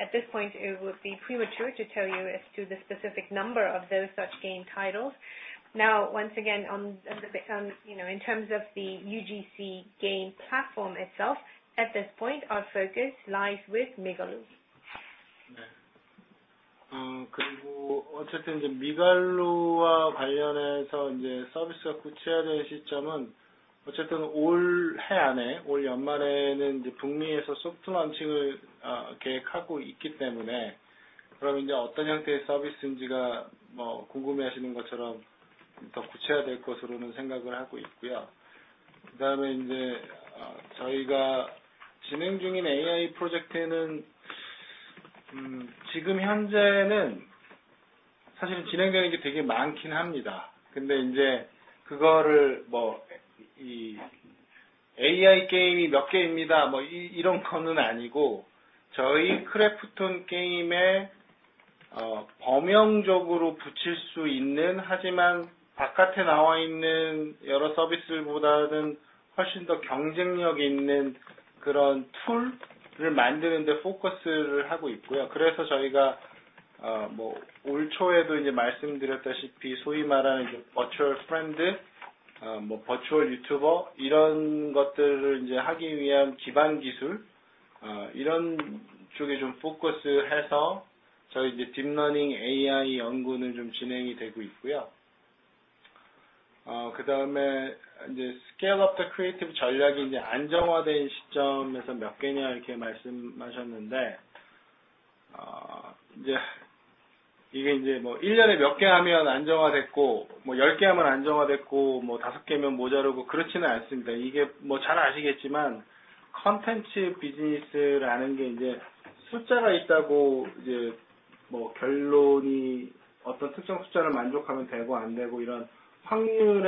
at this point, it would be premature to tell you as to the specific number of those such game titles. Once again, on the, you know, in terms of the UGC game platform itself, at this point, our focus lies with Migaloo.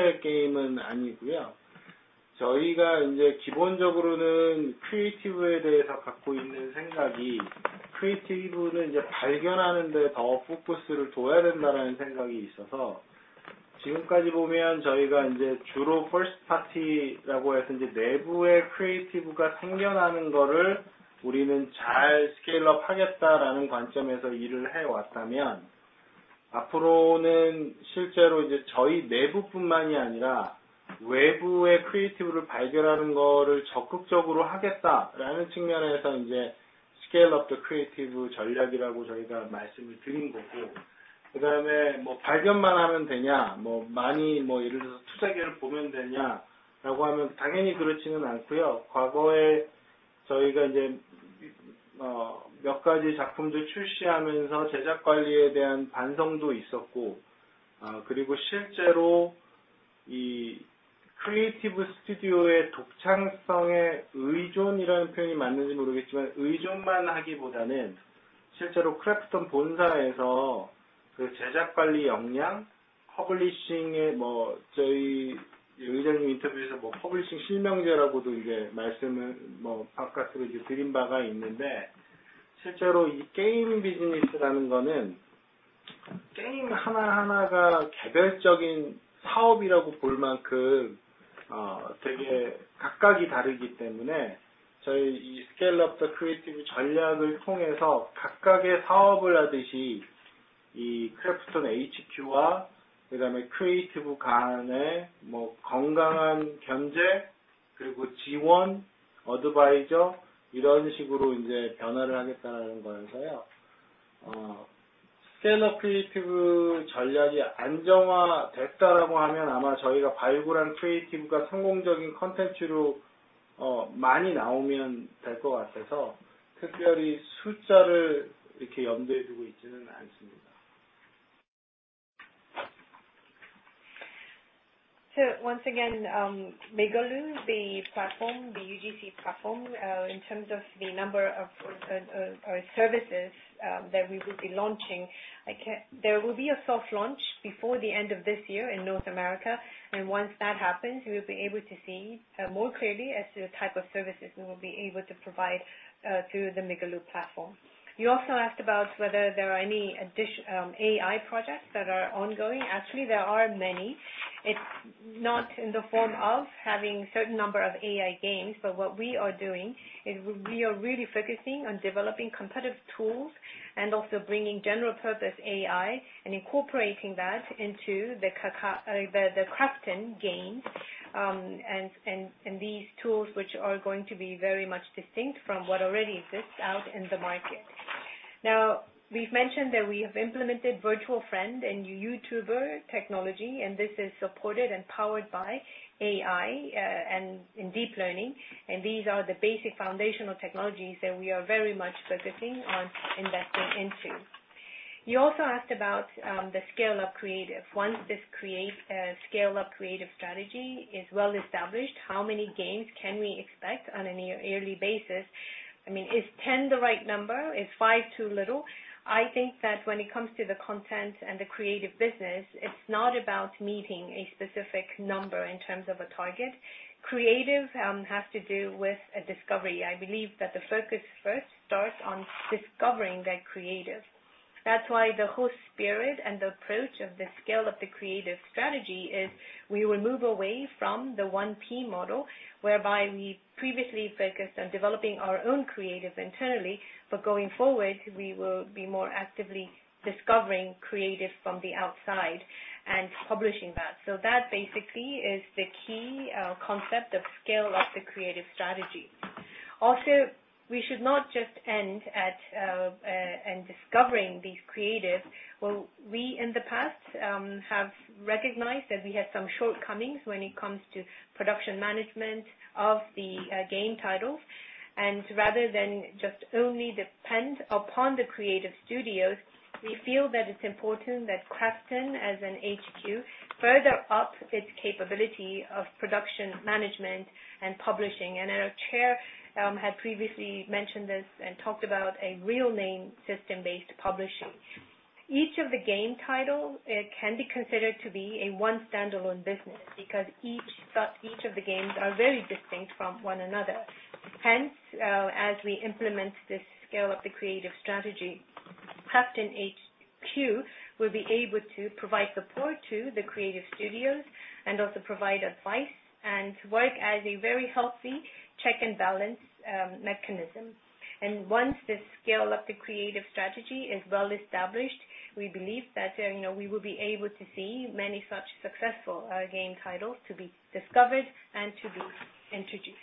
Once again, Migaloo, the platform, the UGC platform, in terms of the number of services that we will be launching. There will be a soft launch before the end of this year in North America, and once that happens, we will be able to see more clearly as to the type of services we will be able to provide through the Migaloo platform. You also asked about whether there are any additional AI projects that are ongoing. Actually, there are many. It's not in the form of having certain number of AI games, what we are doing is we are really focusing on developing competitive tools and also bringing general purpose AI and incorporating that into the KRAFTON games, and these tools which are going to be very much distinct from what already exists out in the market. We've mentioned that we have implemented virtual friend and YouTuber technology, and this is supported and powered by AI and deep learning. These are the basic foundational technologies that we are very much focusing on investing into. You also asked about Scale-up the Creative. Once Scale-up the Creative strategy is well established, how many games can we expect on a yearly basis? I mean, is 10 the right number? Is five too little? I think that when it comes to the content and the creative business, it's not about meeting a specific number in terms of a target. Creative has to do with a discovery. I believe that the focus first starts on discovering that creative. That's why the whole spirit and the approach of the Scale-up the Creative strategy is we will move away from the one team model, whereby we previously focused on developing our own creative internally, but going forward, we will be more actively discovering creative from the outside and publishing that. That basically is the key concept of Scale-up the Creative strategy. We should not just end at in discovering these creative. We in the past have recognized that we had some shortcomings when it comes to production management of the game title. Rather than just only depend upon the creative studios, we feel that it's important that KRAFTON as an HQ further up its capability of production management and publishing. Our chair had previously mentioned this and talked about a real name system-based publishing. Each of the game title, it can be considered to be a one standalone business because each of the games are very distinct from one another. Hence, as we implement this scale of the creative strategy, KRAFTON HQ will be able to provide support to the creative studios and also provide advice and work as a very healthy check and balance mechanism. Once this scale of the creative strategy is well established, we believe that, you know, we will be able to see many such successful game titles to be discovered and to be introduced.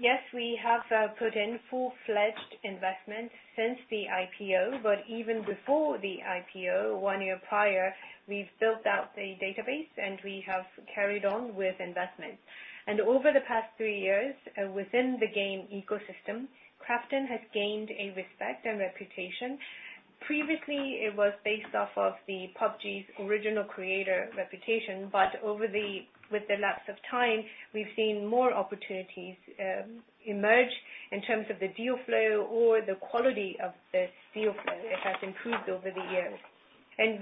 Yes, we have put in full-fledged investment since the IPO, but even before the IPO, one year prior, we've built out the database, and we have carried on with investments. Over the past three years, within the game ecosystem, KRAFTON has gained a respect and reputation. Previously, it was based off of the PUBG's original creator reputation, but with the lapse of time, we've seen more opportunities emerge in terms of the deal flow or the quality of this deal flow. It has improved over the years.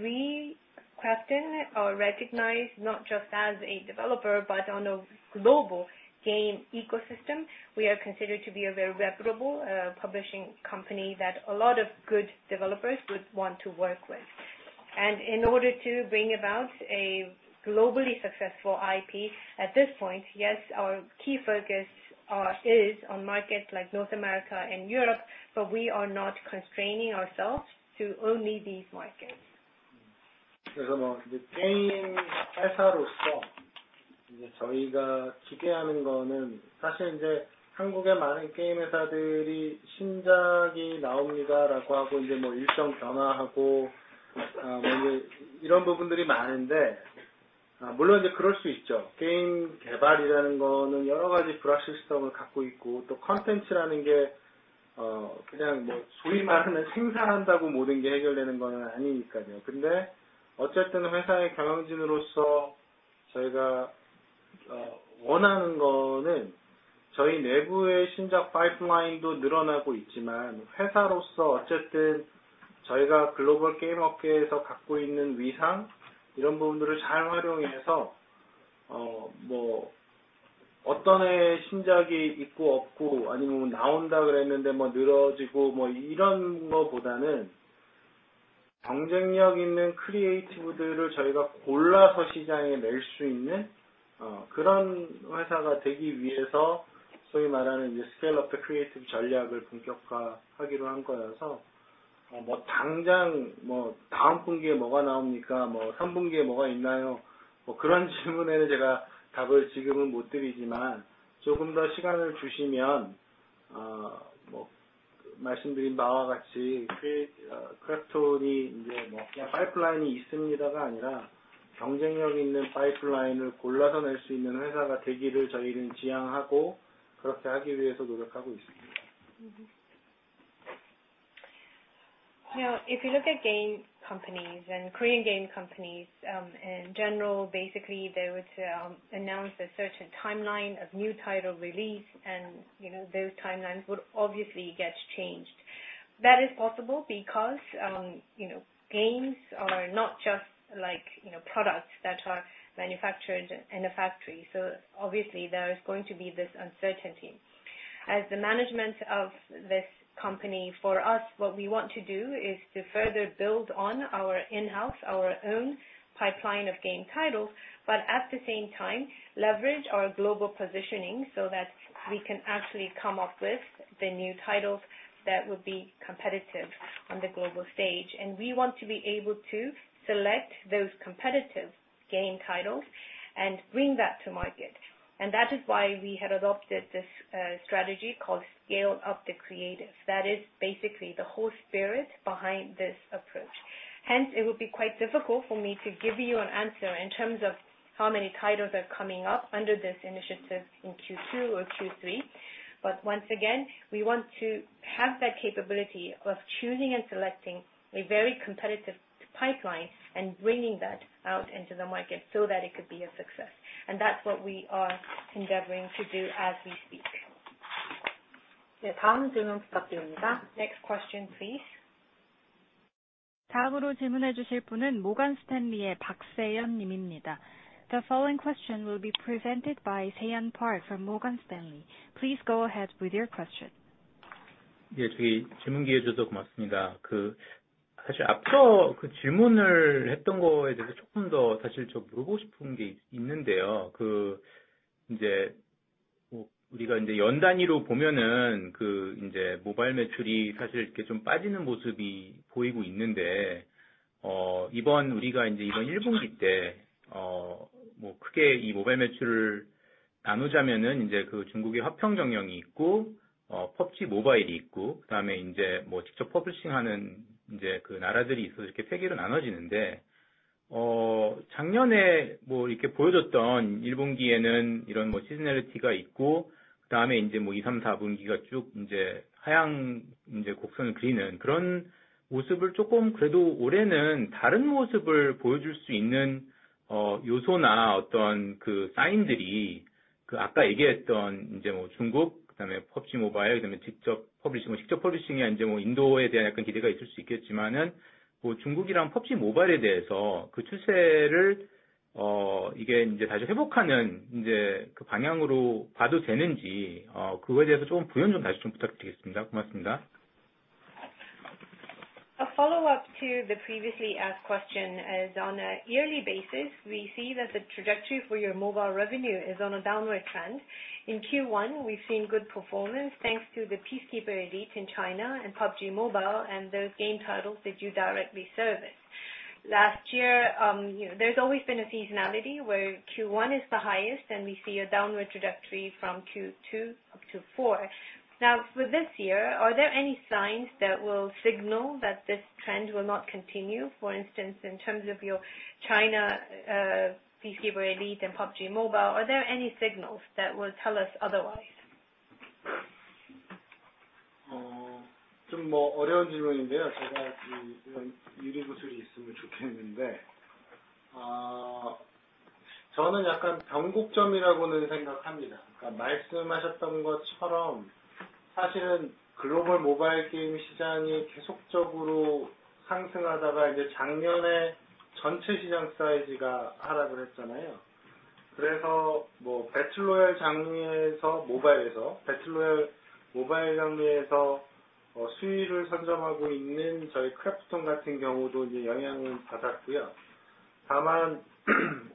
We, KRAFTON, are recognized not just as a developer, but on a global game ecosystem. We are considered to be a very reputable publishing company that a lot of good developers would want to work with. In order to bring about a globally successful IP at this point, yes, our key focus is on markets like North America and Europe, but we are not constraining ourselves to only these markets.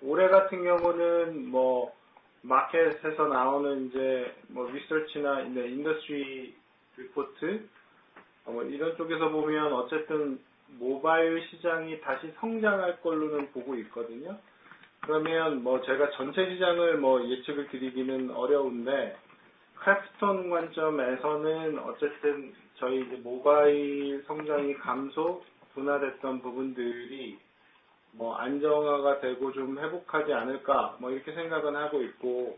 올해 같은 경우는 마켓에서 나오는 리서치나 인더스트리 리포트 이런 쪽에서 보면 어쨌든 모바일 시장이 다시 성장할 걸로는 보고 있거든요. 제가 전체 시장을 예측을 드리기는 어려운데, KRAFTON 관점에서는 어쨌든 저희 모바일 성장이 감소, 둔화됐던 부분들이 안정화가 되고 좀 회복하지 않을까 이렇게 생각은 하고 있고.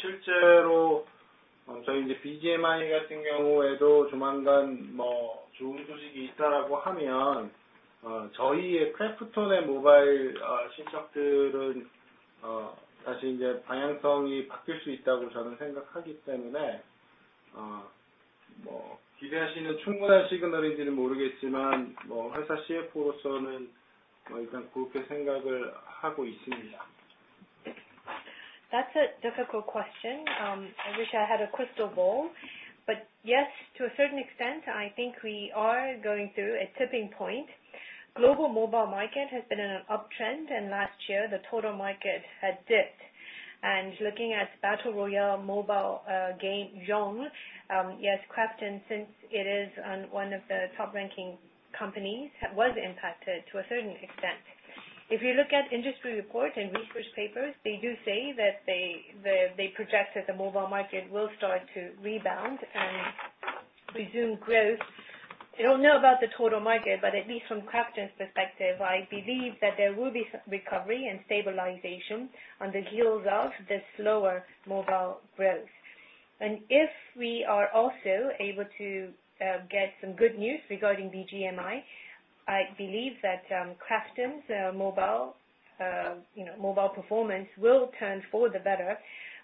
실제로 저희 BGMI 같은 경우에도 조만간 좋은 소식이 있다라고 하면 저희의 KRAFTON의 모바일 실적들은 다시 방향성이 바뀔 수 있다고 저는 생각하기 때문에. That's a difficult question. I wish I had a crystal ball. Yes, to a certain extent, I think we are going through a tipping point. Global mobile market has been in an uptrend, and last year the total market had dipped. Looking at Battle Royale mobile game genre, yes, KRAFTON, since it is on one of the top-ranking companies, was impacted to a certain extent. If you look at industry reports and research papers, they do say that they project that the mobile market will start to rebound and resume growth. I don't know about the total market, but at least from KRAFTON's perspective, I believe that there will be some recovery and stabilization on the heels of the slower mobile growth. If we are also able to get some good news regarding BGMI, I believe that KRAFTON's mobile, you know, mobile performance will turn for the better.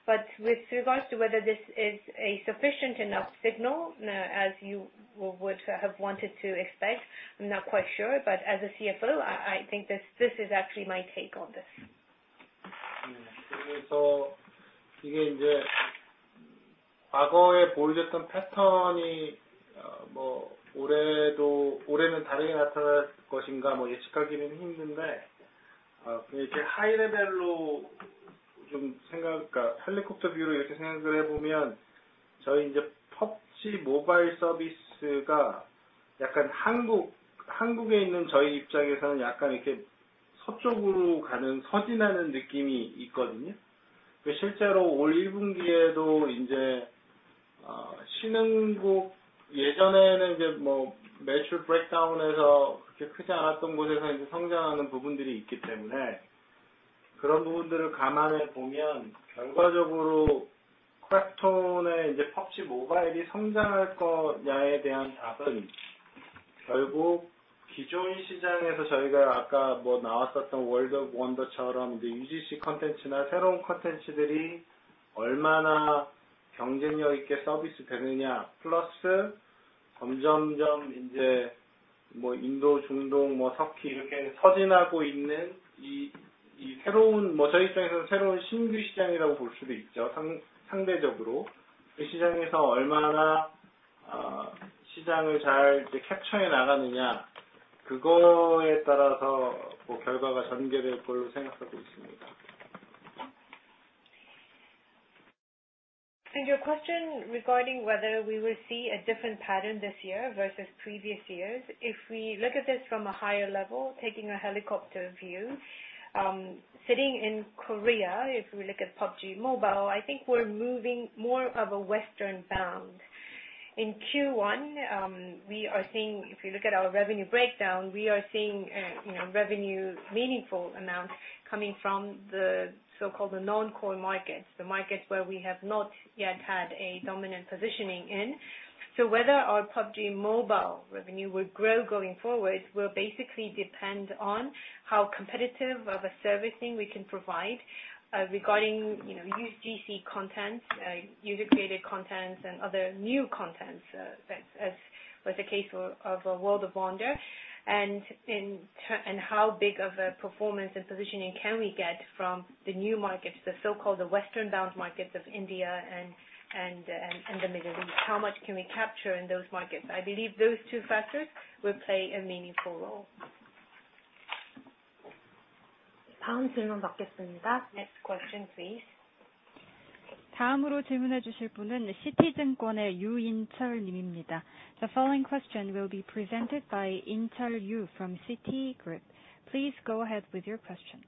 With regards to whether this is a sufficient enough signal, as you would have wanted to expect, I'm not quite sure. As a CFO, I think this is actually my take on this. Your question regarding whether we will see a different pattern this year versus previous years. If we look at this from a higher level, taking a helicopter view, sitting in Korea, if we look at PUBG Mobile, I think we're moving more of a Western bound. In Q1, we are seeing, if you look at our revenue breakdown, we are seeing, you know, revenue meaningful amounts coming from the so-called the non-core markets, the markets where we have not yet had a dominant positioning in. Whether our PUBG Mobile revenue will grow going forward will basically depend on how competitive of a servicing we can provide, regarding, you know, UGC content, user-created content and other new content, that's as was the case of World of Wonder. How big of a performance and positioning can we get from the new markets, the so-called the Western bound markets of India and the Middle East. How much can we capture in those markets? I believe those two factors will play a meaningful role. Next question, please. The following question will be presented by In-Cheol Yu from Citi. Please go ahead with your question.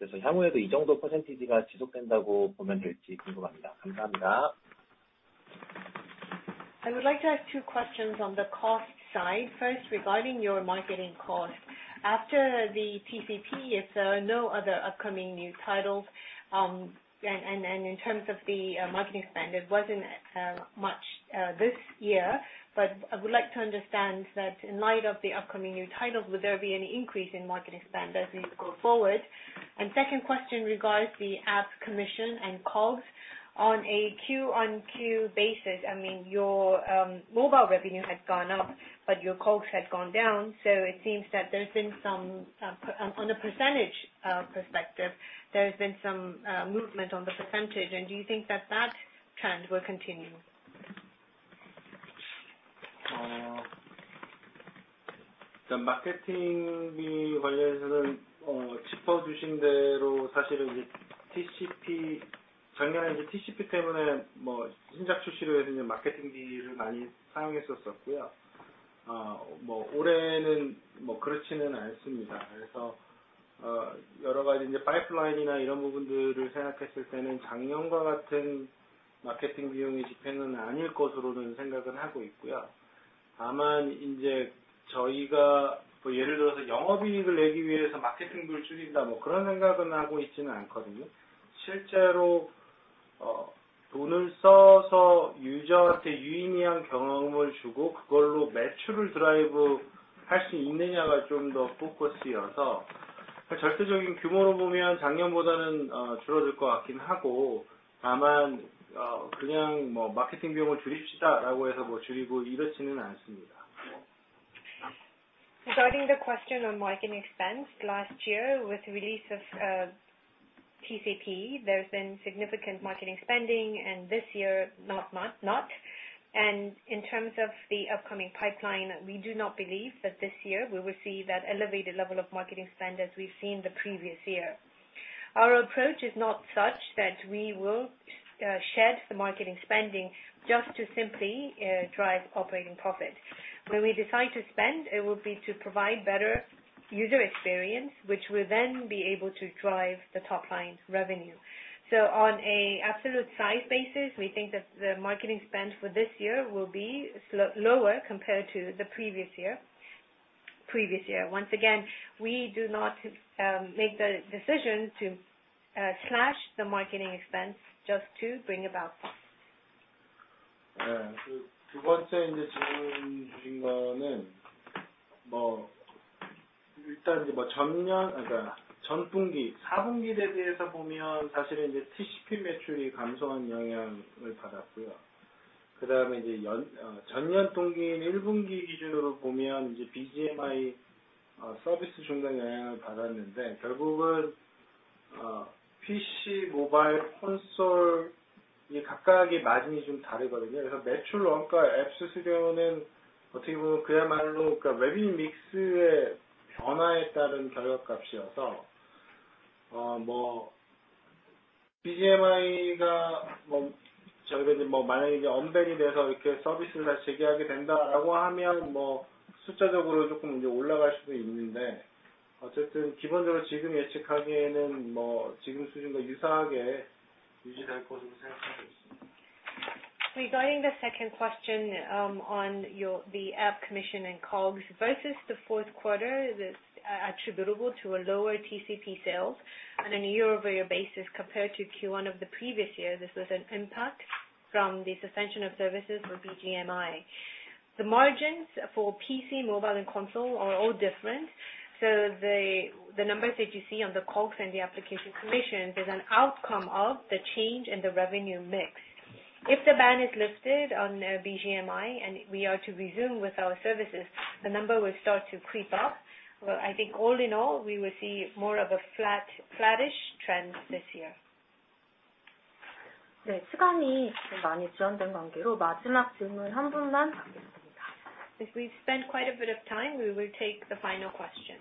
I would like to ask two questions on the cost side. First, regarding your marketing costs. After the TCP, if there are no other upcoming new titles, in terms of the marketing spend, it wasn't much this year. I would like to understand that in light of the upcoming new titles, would there be any increase in marketing spend as we go forward? Second question regards the app commission and COGS. On a Q-on-Q basis, I mean, your mobile revenue has gone up, but your COGS has gone down. It seems that there's been some on a percentage perspective, there's been some movement on the percentage. Do you think that that trend will continue? 마케팅비 관련해서는 어 짚어주신 대로 사실은 TCP 작년에 TCP 때문에 뭐 신작 출시로 해서 마케팅비를 많이 사용했었었고요. 어뭐 올해는 뭐 그렇지는 않습니다. 그래서 어 여러 가지 이제 파이프라인이나 이런 부분들을 생각했을 때는 작년과 같은 마케팅 비용의 집행은 아닐 것으로는 생각을 하고 있고요. 다만 이제 저희가 또 예를 들어서 영업이익을 내기 위해서 마케팅비를 줄인다, 뭐 그런 생각은 하고 있지는 않거든요. 실제로 어 돈을 써서 유저한테 유의미한 경험을 주고 그걸로 매출을 드라이브 할수 있느냐가 좀더 포커스여서 절대적인 규모로 보면 작년보다는 어 줄어들 것 같긴 하고, 다만 어 그냥 뭐 마케팅 비용을 줄입시다라고 해서 뭐 줄이고 이렇지는 않습니다. Regarding the question on marketing expense last year with release of TCP, there's been significant marketing spending and this year not. In terms of the upcoming pipeline, we do not believe that this year we will see that elevated level of marketing spend as we've seen the previous year. Our approach is not such that we will shed the marketing spending just to simply drive operating profit. When we decide to spend, it will be to provide better user experience, which will then be able to drive the top line revenue. On a absolute size basis, we think that the marketing spend for this year will be lower compared to the previous year. Once again, we do not make the decision to slash the marketing expense just to bring about. 예, 그두 번째 이제 질문 주신 거는 뭐 일단 뭐 전년, 그러니까 전 분기 사 분기에 대해서 보면 사실은 이제 TCP 매출이 감소한 영향을 받았고요. 그다음에 이제 연, 어 전년 동기인 일 분기 기준으로 보면 이제 BGMI 어 서비스 중단 영향을 받았는데 결국은 어 PC, 모바일, 콘솔이 각각의 마진이 좀 다르거든요. 그래서 매출 원가 앱 수수료는 어떻게 보면 그야말로 그러니까 Revenue mix의 변화에 따른 결과값이어서 어뭐 BGMI가 뭐 저희가 이제 뭐 만약에 이제 언벤이 돼서 이렇게 서비스를 다시 재개하게 된다라고 하면 뭐 숫자적으로 조금 이제 올라갈 수도 있는데 어쨌든 기본적으로 지금 예측하기에는 뭐 지금 수준과 유사하게 유지될 것으로 생각하고 있습니다. Regarding the second question, on your the app commission and COGS versus the fourth quarter that's attributable to a lower TCP sales on a year-over-year basis compared to Q1 of the previous year. This was an impact from the suspension of services for BGMI. The margins for PC, mobile and console are all different. The numbers that you see on the COGS and the application commission is an outcome of the change in the revenue mix. If the ban is lifted on BGMI and we are to resume with our services, the number will start to creep up. I think all in all, we will see more of a flattish trend this year. 네, 시간이 좀 많이 지연된 관계로 마지막 질문 한 분만 받겠습니다. If we've spent quite a bit of time, we will take the final question.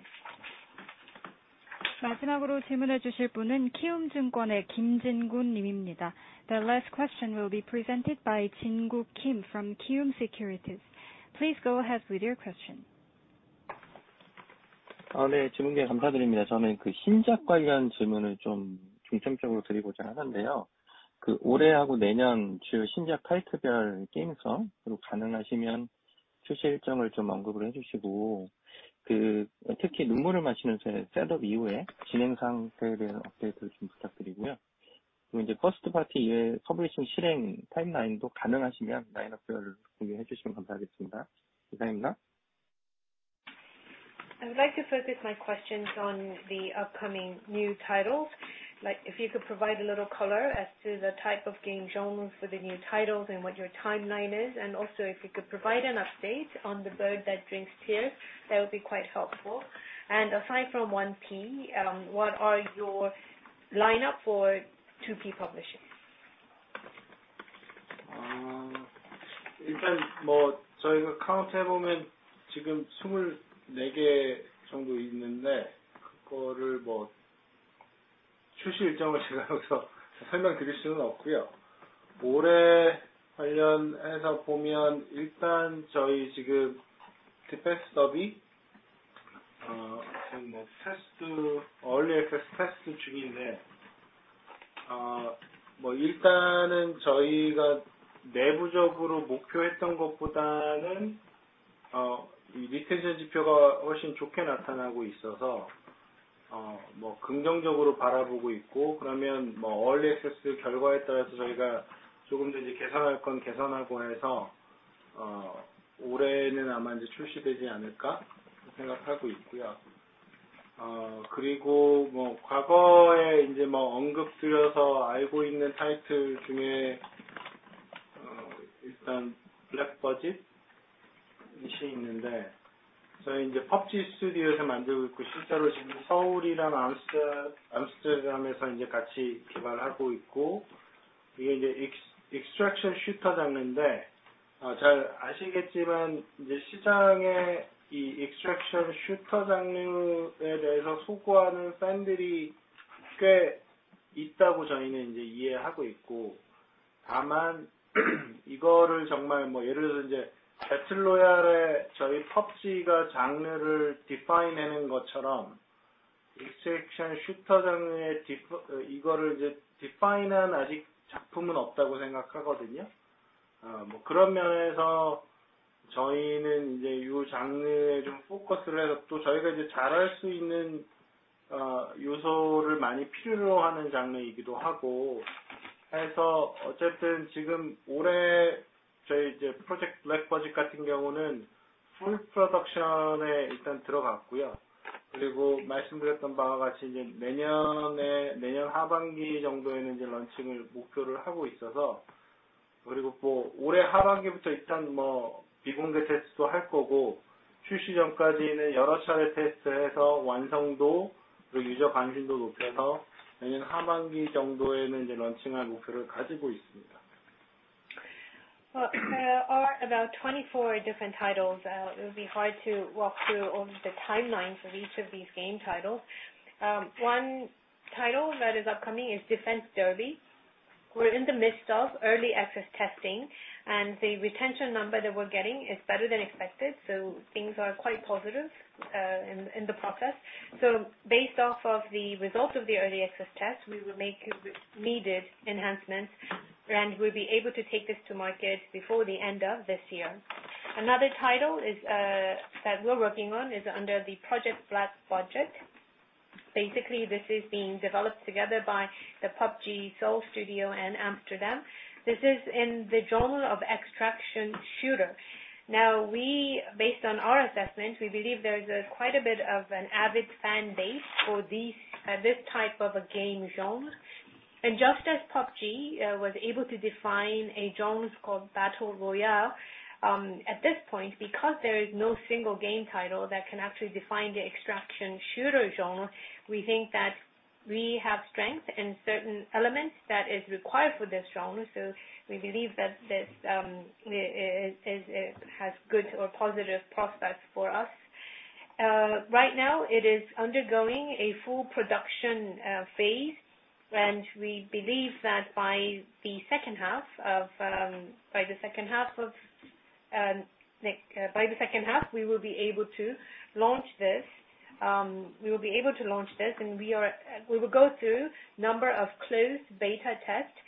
마지막으로 질문해 주실 분은 키움증권의 김진구 님입니다. The last question will be presented by Jin-Goo Kim from Kiwoom Securities. Please go ahead with your question. 아, 네. 질문 감사드립니다. 저는 그 신작 관련 질문을 좀 중점적으로 드리고자 하는데요. 그 올해하고 내년 주요 신작 타이틀별 게임성 그리고 가능하시면 출시 일정을 좀 언급을 해주시고, 그 특히 눈물을 마시는 새, 셋업 이후에 진행 상태에 대한 업데이트를 좀 부탁드리고요. 그리고 이제 퍼스트 파티 이외 퍼블리싱 실행 타임라인도 가능하시면 라인업별 공유해 주시면 감사하겠습니다. 이상입니다. I would like to focus my questions on the upcoming new titles. Like if you could provide a little color as to the type of game genres for the new titles and what your timeline is, and also if you could provide an update on The Bird That Drinks Tears, that would be quite helpful. Aside from 1PP, what are your lineup for 2PP publishing? 일단 저희가 카운트 해보면 지금 24개 정도 있는데 그거를 출시 일정을 제가 여기서 설명드릴 수는 없고요. 올해 관련해서 보면 저희 지금 Defense Derby, 지금 테스트 Early Access 테스트 중인데, 저희가 내부적으로 목표했던 것보다는 이 리텐션 지표가 훨씬 좋게 나타나고 있어서 긍정적으로 바라보고 있고, 그러면 Early Access 결과에 따라서 저희가 조금 더 이제 개선할 건 개선하고 해서 올해에는 아마 이제 출시되지 않을까 생각하고 있고요. 과거에 언급 드려서 알고 있는 타이틀 중에 Black Budget이 있는데 저희 PUBG STUDIOS에서 만들고 있고, 실제로 지금 서울이랑 암스테르담에서 같이 개발하고 있고 이게 extraction shooter 장르인데, 잘 아시겠지만 시장에 이 extraction shooter 장르에 대해서 호소하는 팬들이 꽤 있다고 저희는 이해하고 있고. 이거를 정말 뭐 예를 들어서 이제 Battle Royale에 저희 PUBG가 장르를 define 해낸 것처럼 extraction shooter 장르의 define한 아직 작품은 없다고 생각하거든요. 뭐 그런 면에서 저희는 이제 요 장르에 좀 포커스를 해서 또 저희가 이제 잘할 수 있는 요소를 많이 필요로 하는 장르이기도 하고. 어쨌든 지금 올해 저희 이제 Project Black Budget 같은 경우는 full production에 일단 들어갔고요. 말씀드렸던 바와 같이 이제 내년 하반기 정도에는 이제 런칭을 목표를 하고 있어서 올해 하반기부터 일단 비공개 테스트도 할 거고, 출시 전까지는 여러 차례 테스트해서 완성도 그리고 유저 관심도 높여서 내년 하반기 정도에는 이제 런칭할 목표를 가지고 있습니다. Well, there are about 24 different titles. It would be hard to walk through all of the timelines of each of these game titles. One title that is upcoming is Defense Derby. We're in the midst of Early Access testing, the retention number that we're getting is better than expected, things are quite positive in the process. Based off of the results of the Early Access test, we will make needed enhancements, we'll be able to take this to market before the end of this year. Another title is that we're working on is under the Project Black Budget. Basically, this is being developed together by the PUBG Seoul Studio and Amsterdam. This is in the genre of extraction shooter. We, based on our assessment, we believe there is a quite a bit of an avid fan base for these, this type of a game genre. Just as PUBG was able to define a genre called Battle Royale, at this point, because there is no single game title that can actually define the extraction shooter genre, we think that we have strength in certain elements that is required for this genre. We believe that this has good or positive prospects for us. Right now it is undergoing a full production phase, We believe that by the second half, we will be able to launch this. We will be able to launch this and we will go through number of closed beta tests,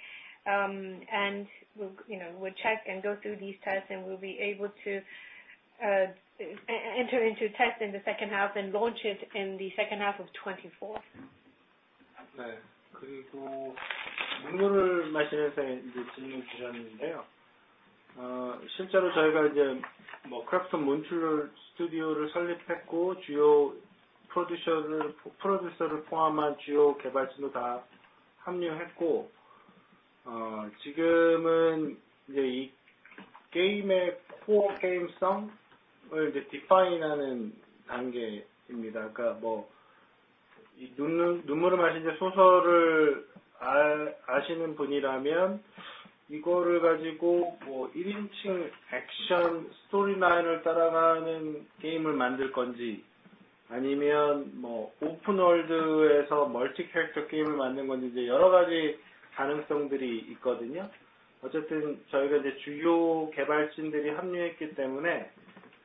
and we'll, you know, we'll check and go through these tests and we'll be able to enter into tests in the second half and launch it in the second half of 2024. 그리고 The Bird That Drinks Tears 질문 주셨는데요. 실제로 저희가 이제 KRAFTON Montréal Studio를 설립했고, 주요 프로듀서를 포함한 주요 개발진도 다 합류했고. 지금은 이제 이 게임의 코어 게임성을 이제 define하는 단계입니다. 그러니까 이 The Bird That Drinks Tears 소설을 아시는 분이라면 이거를 가지고 first-person action story line을 따라가는 게임을 만들 건지, 아니면 open world에서 multi-character game을 만든 건지 이제 여러 가지 가능성들이 있거든요. 어쨌든 저희가 이제 주요 개발진들이 합류했기 때문에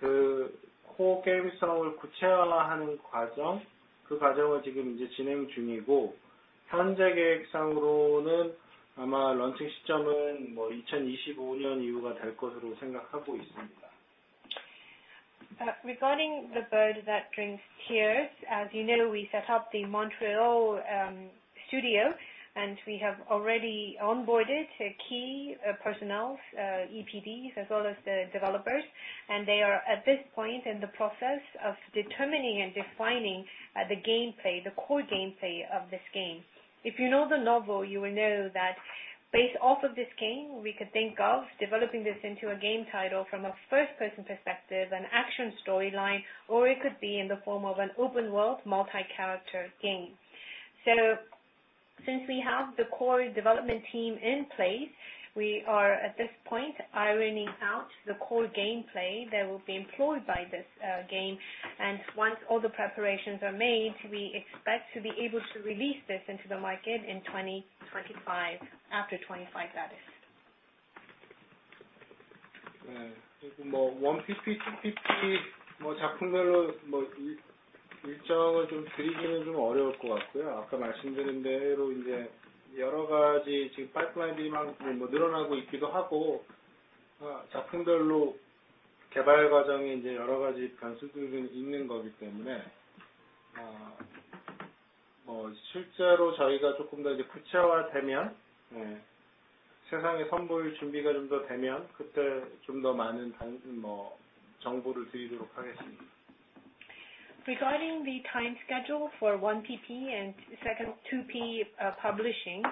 그 코어 게임성을 구체화하는 과정, 그 과정을 지금 이제 진행 중이고, 현재 계획상으로는 아마 launch timing은 2025년 이후가 될 것으로 생각하고 있습니다. Regarding The Bird That Drinks Tears, as you know, we set up the Montréal studio, and we have already onboarded key personnels, EPDs, as well as the developers, and they are at this point in the process of determining and defining the gameplay, the core gameplay of this game. If you know the novel, you will know that based off of this game, we could think of developing this into a game title from a first-person perspective, an action storyline, or it could be in the form of an open world multi-character game. Since we have the core development team in place, we are at this point ironing out the core gameplay that will be employed by this game. Once all the preparations are made, we expect to be able to release this into the market in 2025, after 2025 that is. 뭐 1PP, 2PP 뭐 작품별로 일정을 좀 드리기는 좀 어려울 것 같고요. 아까 말씀드린 대로 이제 여러 가지 지금 파이프라인들이 많고 뭐 늘어나고 있기도 하고, 작품별로 개발 과정이 이제 여러 가지 변수들이 있는 거기 때문에, 실제로 저희가 조금 더 이제 구체화되면, 세상에 선보일 준비가 좀더 되면 그때 좀더 많은 다른 뭐 정보를 드리도록 하겠습니다. Regarding the time schedule for 1PP and 2PP publishing,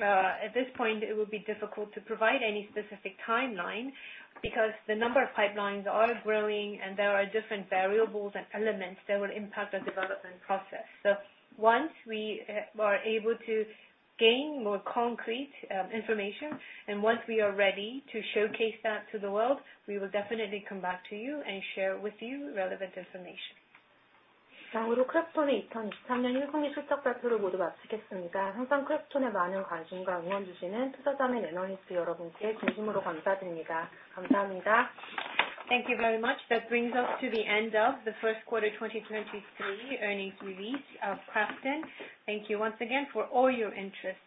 at this point, it would be difficult to provide any specific timeline because the number of pipelines are growing and there are different variables and elements that will impact the development process. Once we are able to gain more concrete information, and once we are ready to showcase that to the world, we will definitely come back to you and share with you relevant information. 이상으로 크래프톤의 2023년 1분기 실적 발표를 모두 마치겠습니다. 항상 크래프톤에 많은 관심과 응원 주시는 투자자 및 애널리스트 여러분께 진심으로 감사드립니다. 감사합니다. Thank you very much. That brings us to the end of the first quarter 2023 earnings release of KRAFTON. Thank you once again for all your interest. Goodbye.